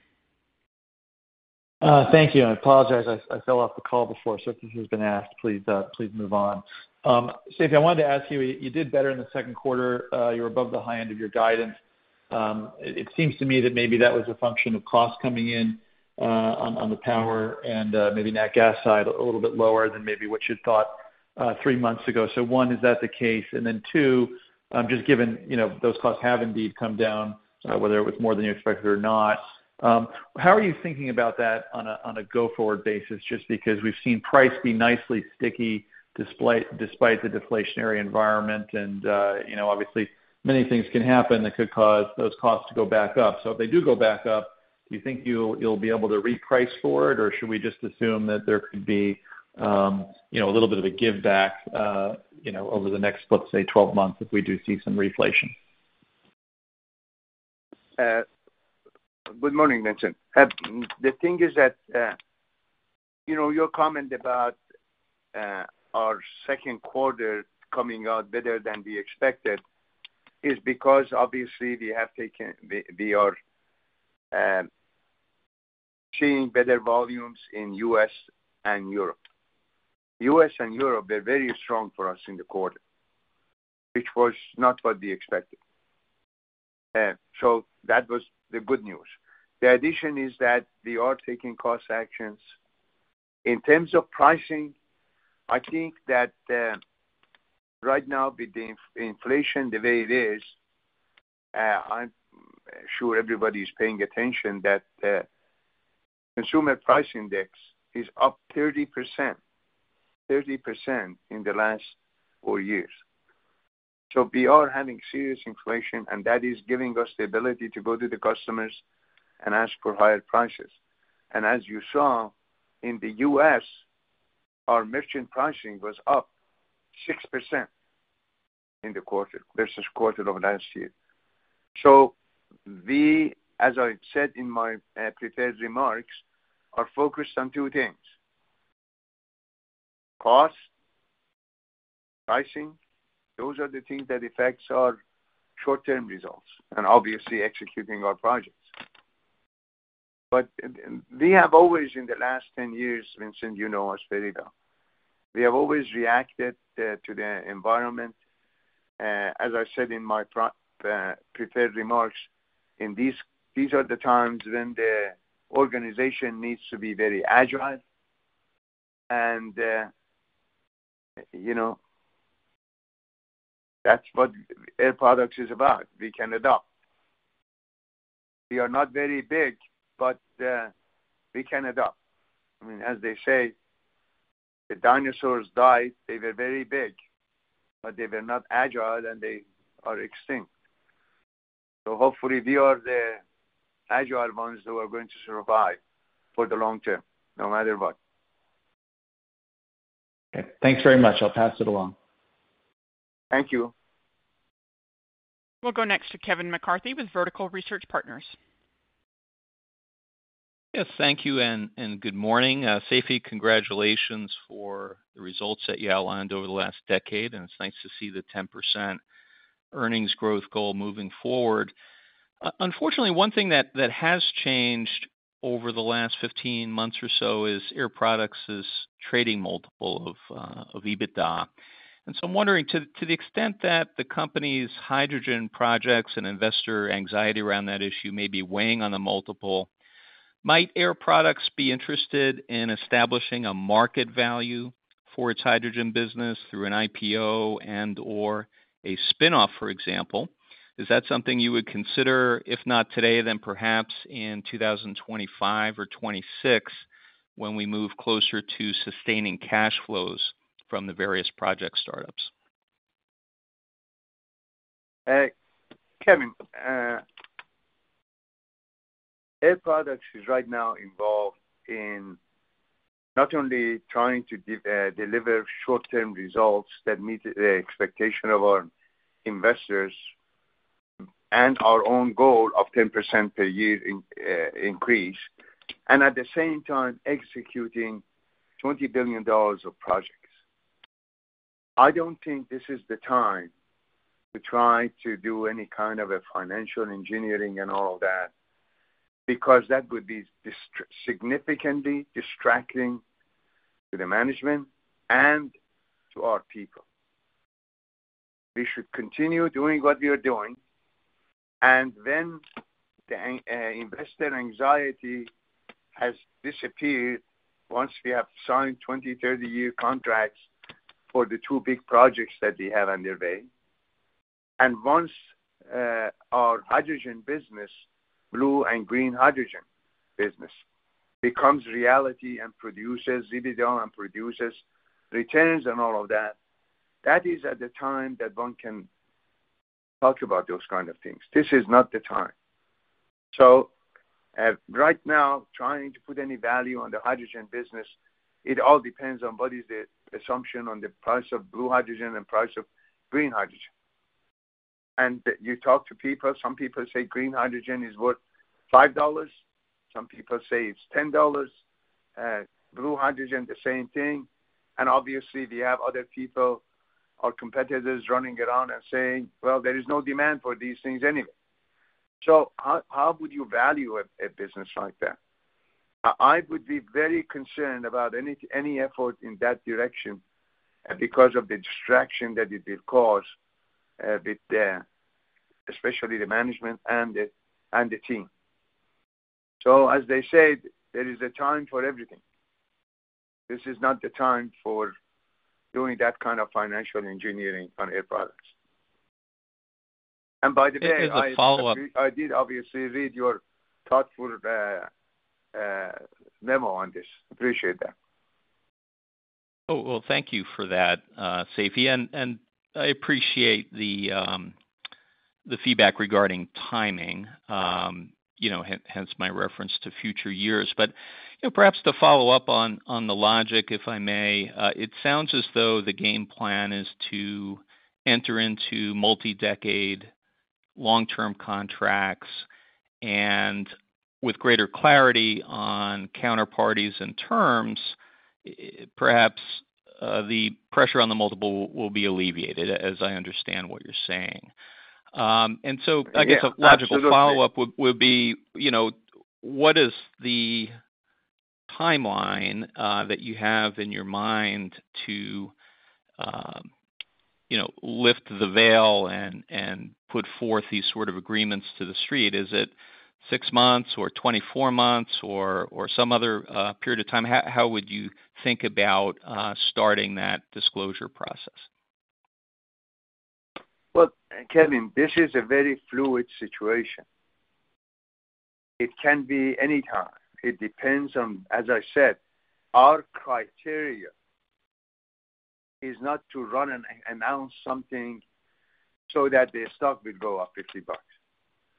Thank you. I apologize, I fell off the call before, so if this has been asked, please, please move on. Seifi, I wanted to ask you, you did better in the second quarter. You were above the high end of your guidance. It seems to me that maybe that was a function of costs coming in on the power and maybe nat gas side, a little bit lower than maybe what you thought three months ago. So one, is that the case? And then two, just given, you know, those costs have indeed come down, whether it was more than you expected or not, how are you thinking about that on a go-forward basis? Just because we've seen price be nicely sticky, despite the deflationary environment, and, you know, obviously many things can happen that could cause those costs to go back up. So if they do go back up, do you think you'll be able to reprice for it, or should we just assume that there could be, you know, a little bit of a give back, you know, over the next, let's say, 12 months, if we do see some reflation?... Good morning, Vincent. The thing is that, you know, your comment about our second quarter coming out better than we expected is because obviously we have taken, we are seeing better volumes in U.S. and Europe. U.S. and Europe, they're very strong for us in the quarter, which was not what we expected. So that was the good news. The addition is that we are taking cost actions. In terms of pricing, I think that right now, with the inflation, the way it is, I'm sure everybody's paying attention, that Consumer Price Index is up 30%, 30% in the last four years. So we are having serious inflation, and that is giving us the ability to go to the customers and ask for higher prices. As you saw in the U.S., our merchant pricing was up 6% in the quarter-over-quarter of last year. So we, as I said in my prepared remarks, are focused on two things: cost, pricing. Those are the things that affects our short-term results and obviously executing our projects. But we have always, in the last 10 years, Vincent, you know us very well. We have always reacted to the environment, as I said in my prepared remarks, these are the times when the organization needs to be very agile, and you know, that's what Air Products is about. We can adapt. We are not very big, but we can adapt. I mean, as they say, the dinosaurs died. They were very big, but they were not agile, and they are extinct. Hopefully we are the agile ones who are going to survive for the long term, no matter what. Okay, thanks very much. I'll pass it along. Thank you. We'll go next to Kevin McCarthy with Vertical Research Partners. Yes, thank you, and good morning. Seifi, congratulations for the results that you outlined over the last decade, and it's nice to see the 10% earnings growth goal moving forward. Unfortunately, one thing that has changed over the last 15 months or so is Air Products' trading multiple of EBITDA. And so I'm wondering to the extent that the company's hydrogen projects and investor anxiety around that issue may be weighing on the multiple, might Air Products be interested in establishing a market value for its hydrogen business through an IPO and/or a spinoff, for example? Is that something you would consider, if not today, then perhaps in 2025 or 2026, when we move closer to sustaining cash flows from the various project startups? Kevin, Air Products is right now involved in not only trying to deliver short-term results that meet the expectation of our investors and our own goal of 10% per year in increase, and at the same time executing $20 billion of projects. I don't think this is the time to try to do any kind of a financial engineering and all of that, because that would be significantly distracting to the management and to our people. We should continue doing what we are doing, and when the investor anxiety has disappeared, once we have signed 20-30-year contracts for the two big projects that we have underway, and once our hydrogen business, blue and green hydrogen business, becomes reality and produces EBITDA and produces returns and all of that, that is at the time that one can talk about those kind of things. This is not the time. So, right now, trying to put any value on the hydrogen business, it all depends on what is the assumption on the price of blue hydrogen and price of green hydrogen. And you talk to people, some people say green hydrogen is worth $5, some people say it's $10, blue hydrogen, the same thing. Obviously we have other people or competitors running around and saying, "Well, there is no demand for these things anyway." So how would you value a business like that? I would be very concerned about any effort in that direction because of the distraction that it will cause, especially with the management and the team. So as they say, there is a time for everything. This is not the time for doing that kind of financial engineering on Air Products. And by the way- Just as a follow-up- I did obviously read your thoughtful memo on this. Appreciate that. Oh, well, thank you for that, Seifi, and I appreciate the feedback regarding timing. You know, hence my reference to future years. But, you know, perhaps to follow up on the logic, if I may, it sounds as though the game plan is to enter into multi-decade-long-term contracts, and with greater clarity on counterparties and terms, perhaps, the pressure on the multiple will be alleviated, as I understand what you're saying. And so I guess a logical follow-up would be, you know, what is the timeline that you have in your mind to, you know, lift the veil and put forth these sort of agreements to the street? Is it six months or 24 months or some other period of time? How would you think about starting that disclosure process? Well, Kevin, this is a very fluid situation. It can be any time. It depends on... As I said, our criteria is not to run and announce something so that the stock will go up $50.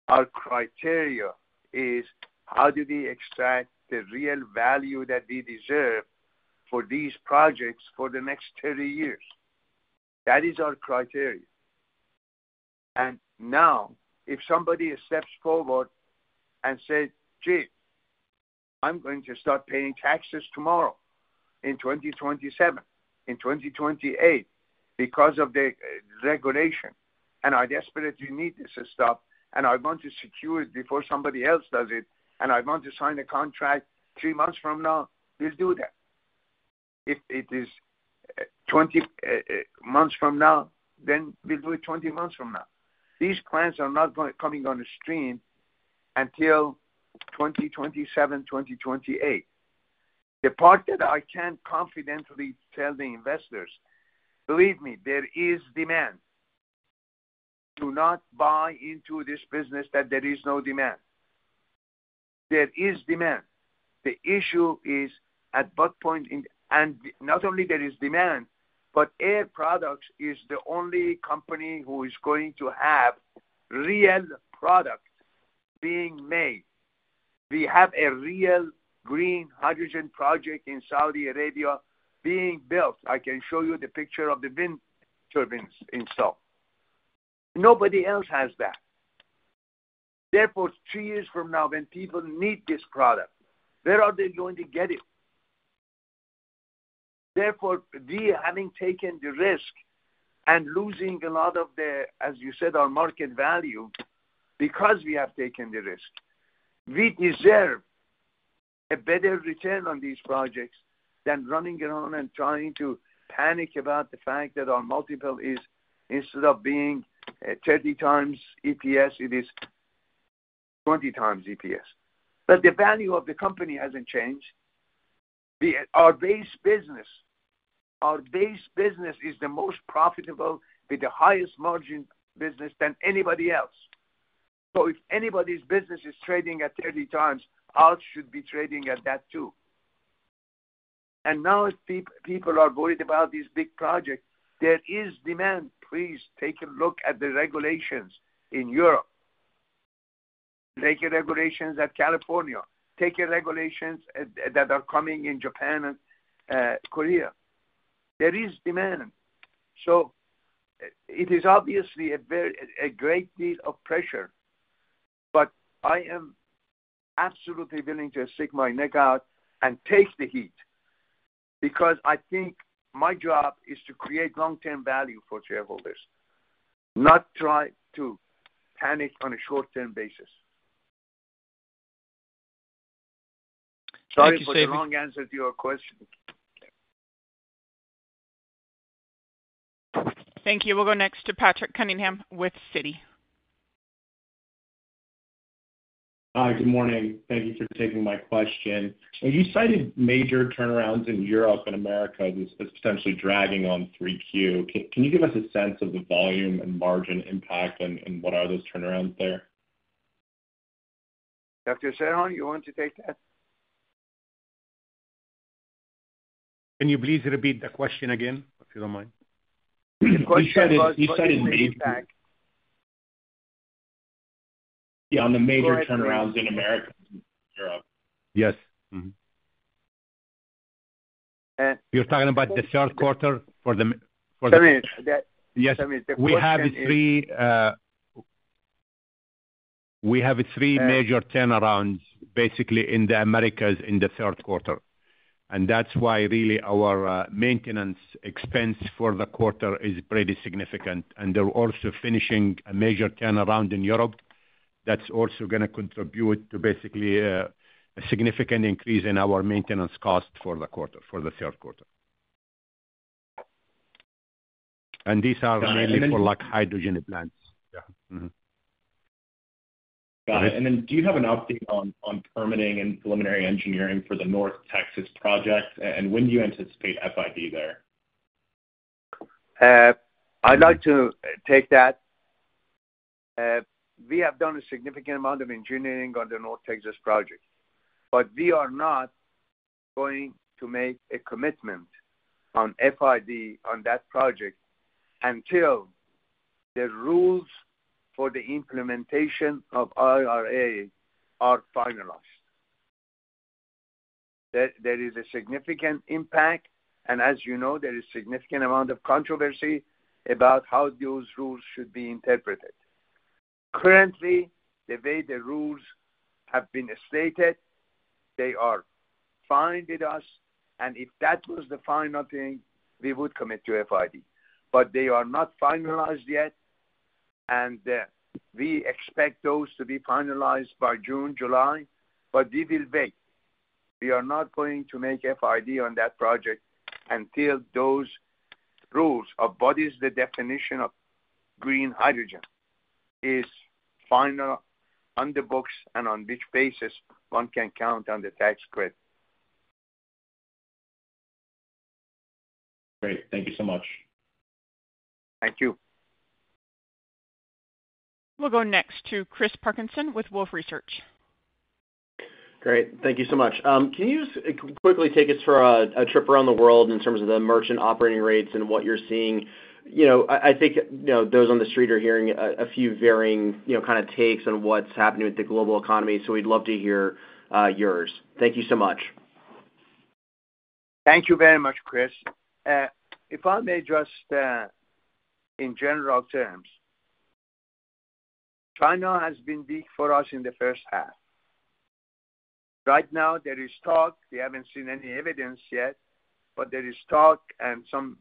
Our criteria is, how do we extract the real value that we deserve for these projects for the next 30 years? That is our criteria. And now, if somebody steps forward and says, "Gee, I'm going to start paying taxes tomorrow, in 2027, in 2028, because of the regulation, and I desperately need this stuff, and I want to secure it before somebody else does it, and I want to sign a contract three months from now," we'll do that. If it is 20 months from now, then we'll do it 20 months from now. These plants are not coming on stream until 2027, 2028. The part that I can confidently tell the investors, believe me, there is demand. Do not buy into this business that there is no demand. There is demand. The issue is, at what point in. And not only there is demand, but Air Products is the only company who is going to have real product being made. We have a real green hydrogen project in Saudi Arabia being built. I can show you the picture of the wind turbines installed. Nobody else has that. Therefore, three years from now, when people need this product, where are they going to get it? Therefore, we, having taken the risk and losing a lot of the, as you said, our market value, because we have taken the risk, we deserve a better return on these projects than running around and trying to panic about the fact that our multiple is, instead of being, 30x EPS, it is 20x EPS. But the value of the company hasn't changed. The, our base business, our base business is the most profitable with the highest margin business than anybody else. So if anybody's business is trading at 30x, ours should be trading at that, too. And now, as people are worried about these big projects, there is demand. Please take a look at the regulations in Europe. Take the regulations at California, take the regulations, that are coming in Japan and, Korea. There is demand. So it is obviously a very great deal of pressure, but I am absolutely willing to stick my neck out and take the heat, because I think my job is to create long-term value for shareholders, not try to panic on a short-term basis. Thank you, Seifi. Sorry for the wrong answer to your question. Thank you. We'll go next to Patrick Cunningham with Citi. Hi, good morning. Thank you for taking my question. You cited major turnarounds in Europe and America as essentially dragging on 3Q. Can you give us a sense of the volume and margin impact and what are those turnarounds there? Dr. Serhan, you want to take that? Can you please repeat the question again, if you don't mind? He said it maybe- Yeah, on the major turnarounds in America and Europe. Yes. Mm-hmm. Uh- You're talking about the third quarter for the- Sorry, that- Yes, we have three major turnarounds basically in the Americas in the third quarter, and that's why really our maintenance expense for the quarter is pretty significant. And they're also finishing a major turnaround in Europe. That's also going to contribute to basically a significant increase in our maintenance cost for the quarter, for the third quarter. And these are mainly for, like, hydrogen plants. Yeah. Mm-hmm. Got it. And then do you have an update on permitting and preliminary engineering for the North Texas project, and when do you anticipate FID there? I'd like to take that. We have done a significant amount of engineering on the North Texas project, but we are not going to make a commitment on FID on that project until the rules for the implementation of IRA are finalized. There is a significant impact, and as you know, there is significant amount of controversy about how those rules should be interpreted. Currently, the way the rules have been stated, they are fine with us, and if that was the final thing, we would commit to FID. But they are not finalized yet, and we expect those to be finalized by June, July, but we will wait. We are not going to make FID on that project until those rules embody the definition of green hydrogen is final on the books and on which basis one can count on the tax credit. Great. Thank you so much. Thank you. We'll go next to Chris Parkinson with Wolfe Research. Great. Thank you so much. Can you just quickly take us for a trip around the world in terms of the merchant operating rates and what you're seeing? You know, I think, you know, those on the street are hearing a few varying, you know, kind of takes on what's happening with the global economy, so we'd love to hear yours. Thank you so much. Thank you very much, Chris. If I may just, in general terms, China has been big for us in the first half. Right now, there is talk, we haven't seen any evidence yet, but there is talk and some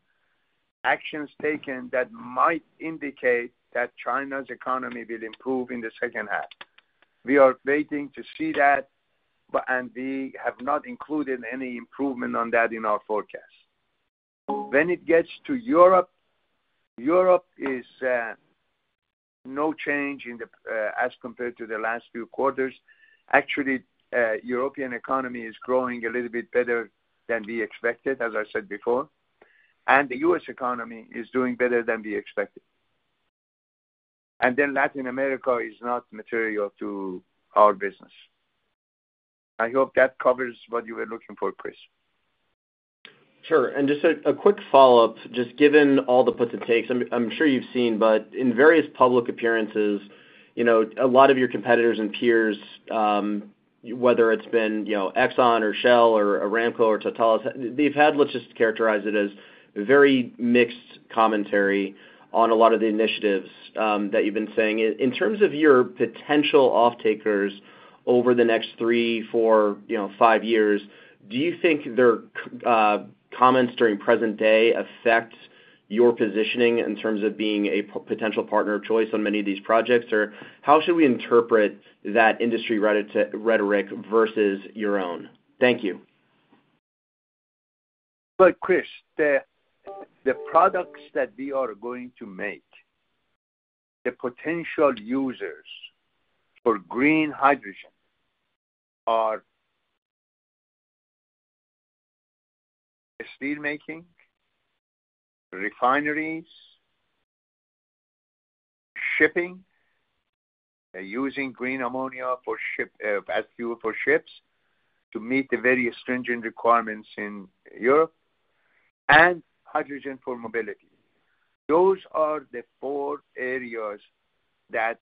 actions taken that might indicate that China's economy will improve in the second half. We are waiting to see that, but, and we have not included any improvement on that in our forecast. When it gets to Europe, Europe is, no change in the, as compared to the last few quarters. Actually, European economy is growing a little bit better than we expected, as I said before, and the U.S. economy is doing better than we expected. And then Latin America is not material to our business. I hope that covers what you were looking for, Chris. Sure. And just a quick follow-up, just given all the puts and takes, I'm sure you've seen, but in various public appearances, you know, a lot of your competitors and peers, whether it's been, you know, Exxon or Shell or Aramco or Total, they've had, let's just characterize it as very mixed commentary on a lot of the initiatives that you've been saying. In terms of your potential off-takers over the next three, four, you know, five years, do you think their comments during present day affect your positioning in terms of being a potential partner of choice on many of these projects? Or how should we interpret that industry rhetoric versus your own? Thank you. Look, Chris, the products that we are going to make, the potential users for green hydrogen are steelmaking, refineries, shipping, using green ammonia for ships as fuel to meet the very stringent requirements in Europe, and hydrogen for mobility. Those are the four areas that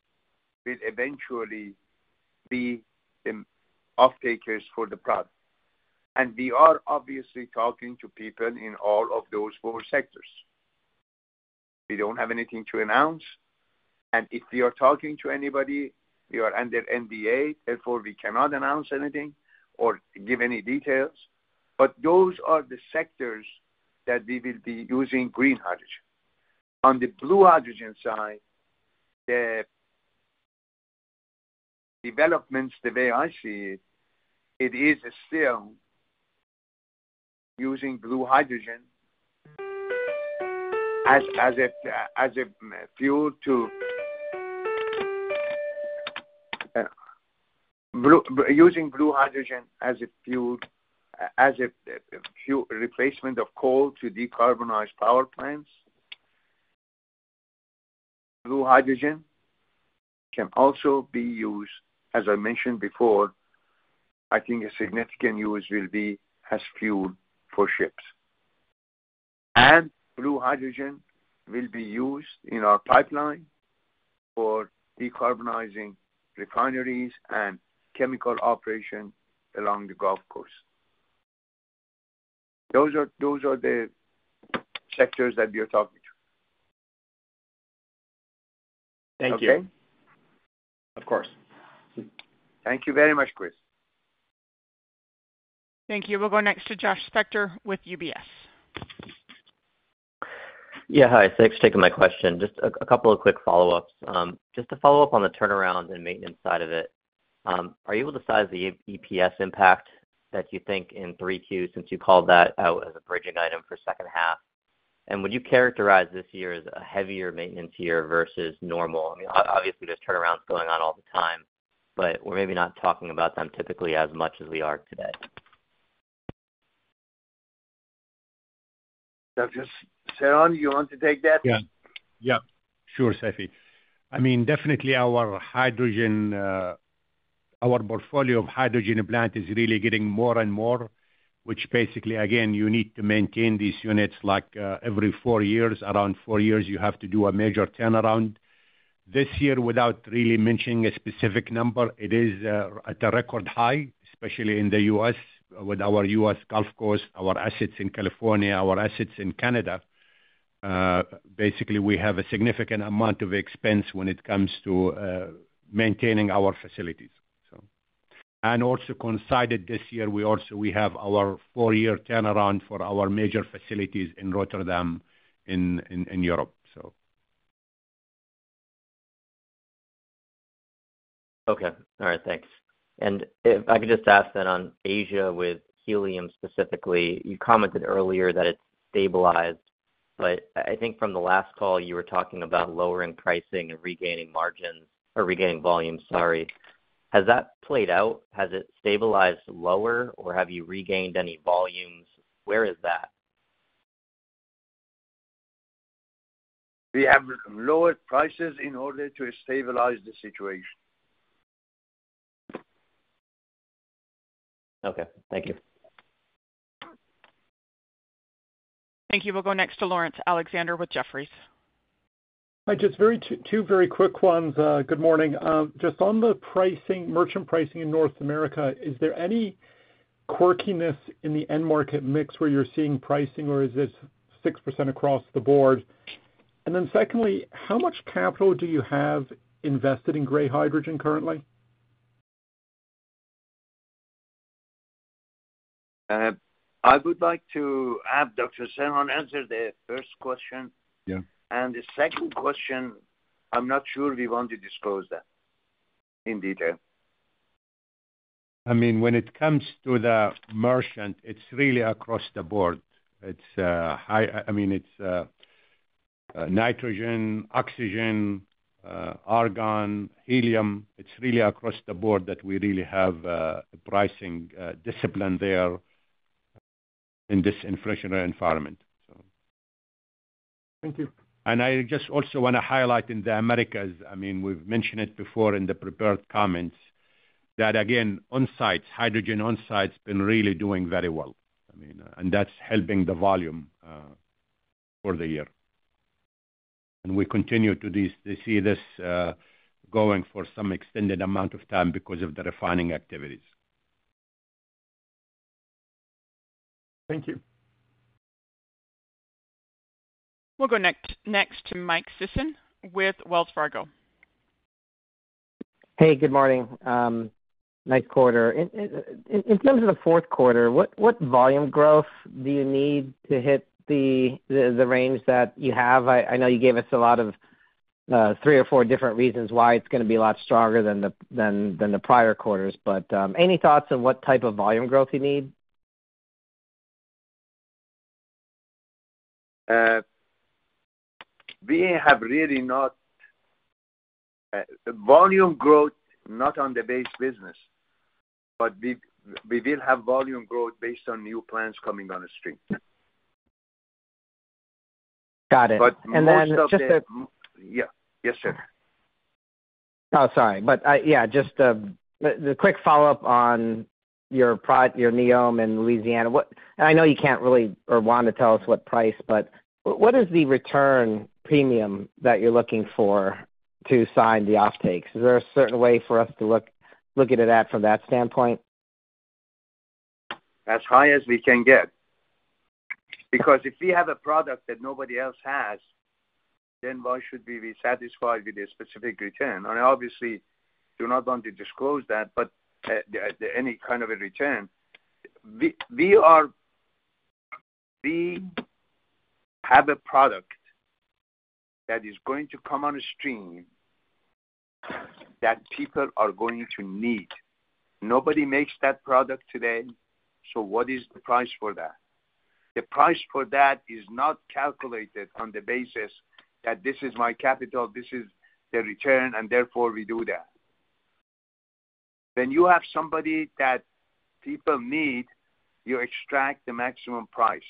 will eventually be the off-takers for the product. And we are obviously talking to people in all of those four sectors. We don't have anything to announce, and if we are talking to anybody, we are under NDA, therefore, we cannot announce anything or give any details. But those are the sectors that we will be using green hydrogen. On the blue hydrogen side, the developments, the way I see it, it is still using blue hydrogen as a fuel to... Using blue hydrogen as a fuel, as a replacement of coal to decarbonize power plants. Blue hydrogen can also be used, as I mentioned before, I think a significant use will be as fuel for ships. And blue hydrogen will be used in our pipeline for decarbonizing refineries and chemical operation along the Gulf Coast. Those are the sectors that we are talking to. Thank you. Okay? Of course. Thank you very much, Chris. Thank you. We'll go next to Josh Spector with UBS. Yeah, hi. Thanks for taking my question. Just a couple of quick follow-ups. Just to follow up on the turnaround and maintenance side of it, are you able to size the EPS impact that you think in three Qs, since you called that out as a bridging item for second half? And would you characterize this year as a heavier maintenance year versus normal? I mean, obviously, there's turnarounds going on all the time, but we're maybe not talking about them typically as much as we are today. Dr. Serhan, you want to take that? Yeah. Yeah, sure, Seifi. I mean, definitely our hydrogen, our portfolio of hydrogen plant is really getting more and more, which basically, again, you need to maintain these units like, every four years. Around four years, you have to do a major turnaround. This year, without really mentioning a specific number, it is, at a record high, especially in the U.S., with our U.S. Gulf Coast, our assets in California, our assets in Canada. Basically, we have a significant amount of expense when it comes to, maintaining our facilities. So, and also coincided this year, we also—we have our four-year turnaround for our major facilities in Rotterdam, in, in, in Europe, so. Okay. All right, thanks. And if I could just ask then on Asia, with helium specifically, you commented earlier that it stabilized, but I, I think from the last call, you were talking about lowering pricing and regaining margins or regaining volumes. Sorry. Has that played out? Has it stabilized lower, or have you regained any volumes? Where is that? We have lowered prices in order to stabilize the situation. Okay, thank you. Thank you. We'll go next to Laurence Alexander with Jefferies. Hi, just two very quick ones. Good morning. Just on the pricing, merchant pricing in North America, is there any quirkiness in the end market mix where you're seeing pricing, or is this 6% across the board? And then secondly, how much capital do you have invested in gray hydrogen currently? I would like to have Dr. Serhan answer the first question. Yeah. The second question, I'm not sure we want to disclose that in detail. I mean, when it comes to the merchant, it's really across the board. It's, I mean, it's nitrogen, oxygen, argon, helium. It's really across the board that we really have pricing discipline there in this inflationary environment, so. Thank you. I just also want to highlight in the Americas, I mean, we've mentioned it before in the prepared comments, that again, onsites, hydrogen onsites, been really doing very well. I mean, and that's helping the volume for the year. And we continue to see this going for some extended amount of time because of the refining activities. Thank you. we go next to Mike Sison with Wells Fargo. We'll go next to Laurence. Hey, good morning. Nice quarter. In terms of the fourth quarter, what volume growth do you need to hit the range that you have? I know you gave us a lot of three or four different reasons why it's gonna be a lot stronger than the prior quarters. But, any thoughts on what type of volume growth you need? The volume growth, not on the base business, but we will have volume growth based on new plants coming on the stream. Got it. But- And then just to- Yeah. Yes, sir. Oh, sorry. But I, yeah, just the quick follow-up on your NEOM in Louisiana. And I know you can't really or want to tell us what price, but what is the return premium that you're looking for to sign the offtakes? Is there a certain way for us to look at it from that standpoint? As high as we can get. Because if we have a product that nobody else has, then why should we be satisfied with a specific return? And obviously, do not want to disclose that, but any kind of a return. We have a product that is going to come on the stream that people are going to need. Nobody makes that product today, so what is the price for that? The price for that is not calculated on the basis that this is my capital, this is the return, and therefore we do that. When you have something that people need, you extract the maximum price.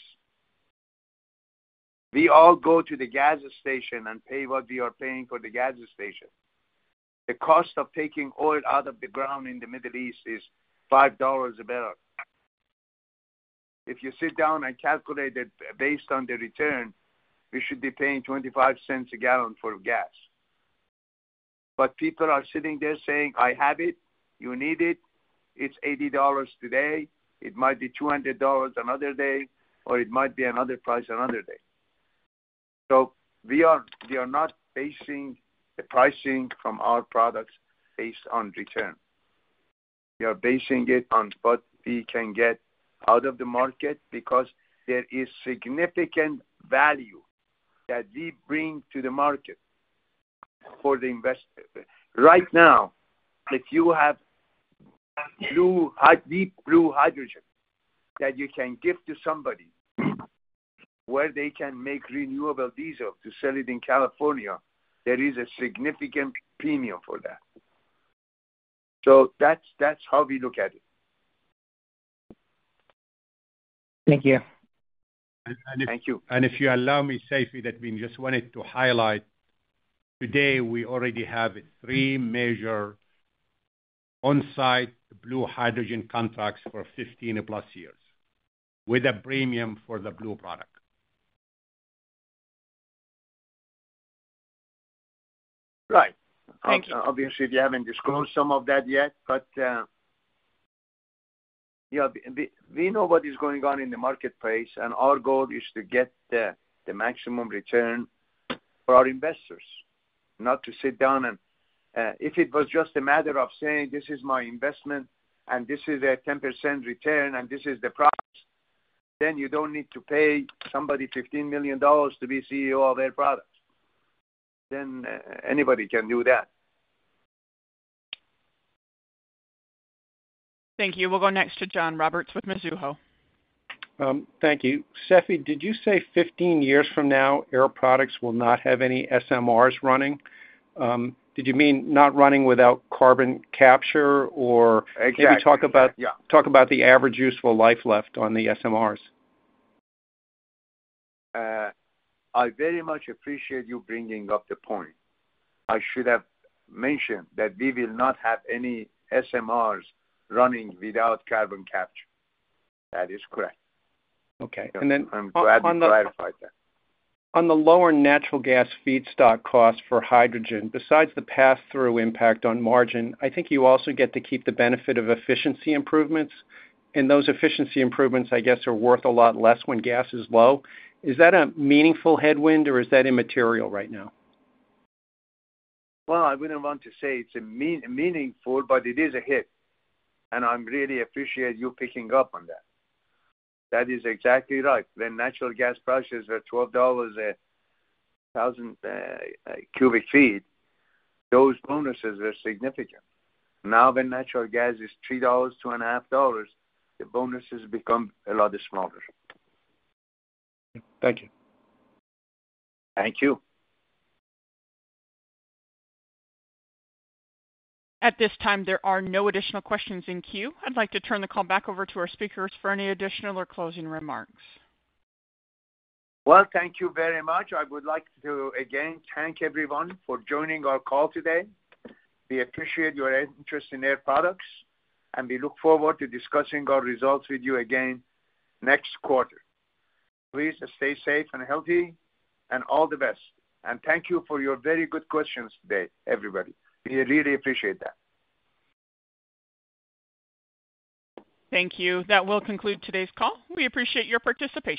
We all go to the gas station and pay what we are paying for the gas station. The cost of taking oil out of the ground in the Middle East is $5 a barrel. If you sit down and calculate it based on the return, we should be paying $0.25 a gallon for gas. But people are sitting there saying, "I have it, you need it. It's $80 today, it might be $200 another day, or it might be another price another day." So we are, we are not basing the pricing from our products based on return. We are basing it on what we can get out of the market, because there is significant value that we bring to the market for the invest... Right now, if you have blue hy-- deep blue hydrogen that you can give to somebody where they can make renewable diesel to sell it in California, there is a significant premium for that. So that's, that's how we look at it. Thank you. Thank you. If you allow me, Seifi, that we just wanted to highlight, today, we already have three major... on-site blue hydrogen contracts for 15+ years, with a premium for the blue product. Right. Thank you. Obviously, we haven't disclosed some of that yet, but yeah, we know what is going on in the marketplace, and our goal is to get the maximum return for our investors, not to sit down. And if it was just a matter of saying, this is my investment and this is a 10% return, and this is the price, then you don't need to pay somebody $15 million to be CEO of Air Products. Then anybody can do that. Thank you. We'll go next to John Roberts with Mizuho. Thank you. Seifi, did you say 15 years from now, Air Products will not have any SMRs running? Did you mean not running without carbon capture or- Exactly. Can you talk about- Yeah. Talk about the average useful life left on the SMRs. I very much appreciate you bringing up the point. I should have mentioned that we will not have any SMRs running without carbon capture. That is correct. Okay, and then on the- I'm glad we clarified that. On the lower natural gas feedstock cost for hydrogen, besides the passthrough impact on margin, I think you also get to keep the benefit of efficiency improvements. Those efficiency improvements, I guess, are worth a lot less when gas is low. Is that a meaningful headwind or is that immaterial right now? Well, I wouldn't want to say it's a meaningful, but it is a hit, and I really appreciate you picking up on that. That is exactly right. When natural gas prices are $12 a thousand cubic feet, those bonuses are significant. Now, when natural gas is $3-$2.5, the bonuses become a lot smaller. Thank you. Thank you. At this time, there are no additional questions in queue. I'd like to turn the call back over to our speakers for any additional or closing remarks. Well, thank you very much. I would like to again thank everyone for joining our call today. We appreciate your interest in Air Products, and we look forward to discussing our results with you again next quarter. Please stay safe and healthy, and all the best, and thank you for your very good questions today, everybody. We really appreciate that. Thank you. That will conclude today's call. We appreciate your participation.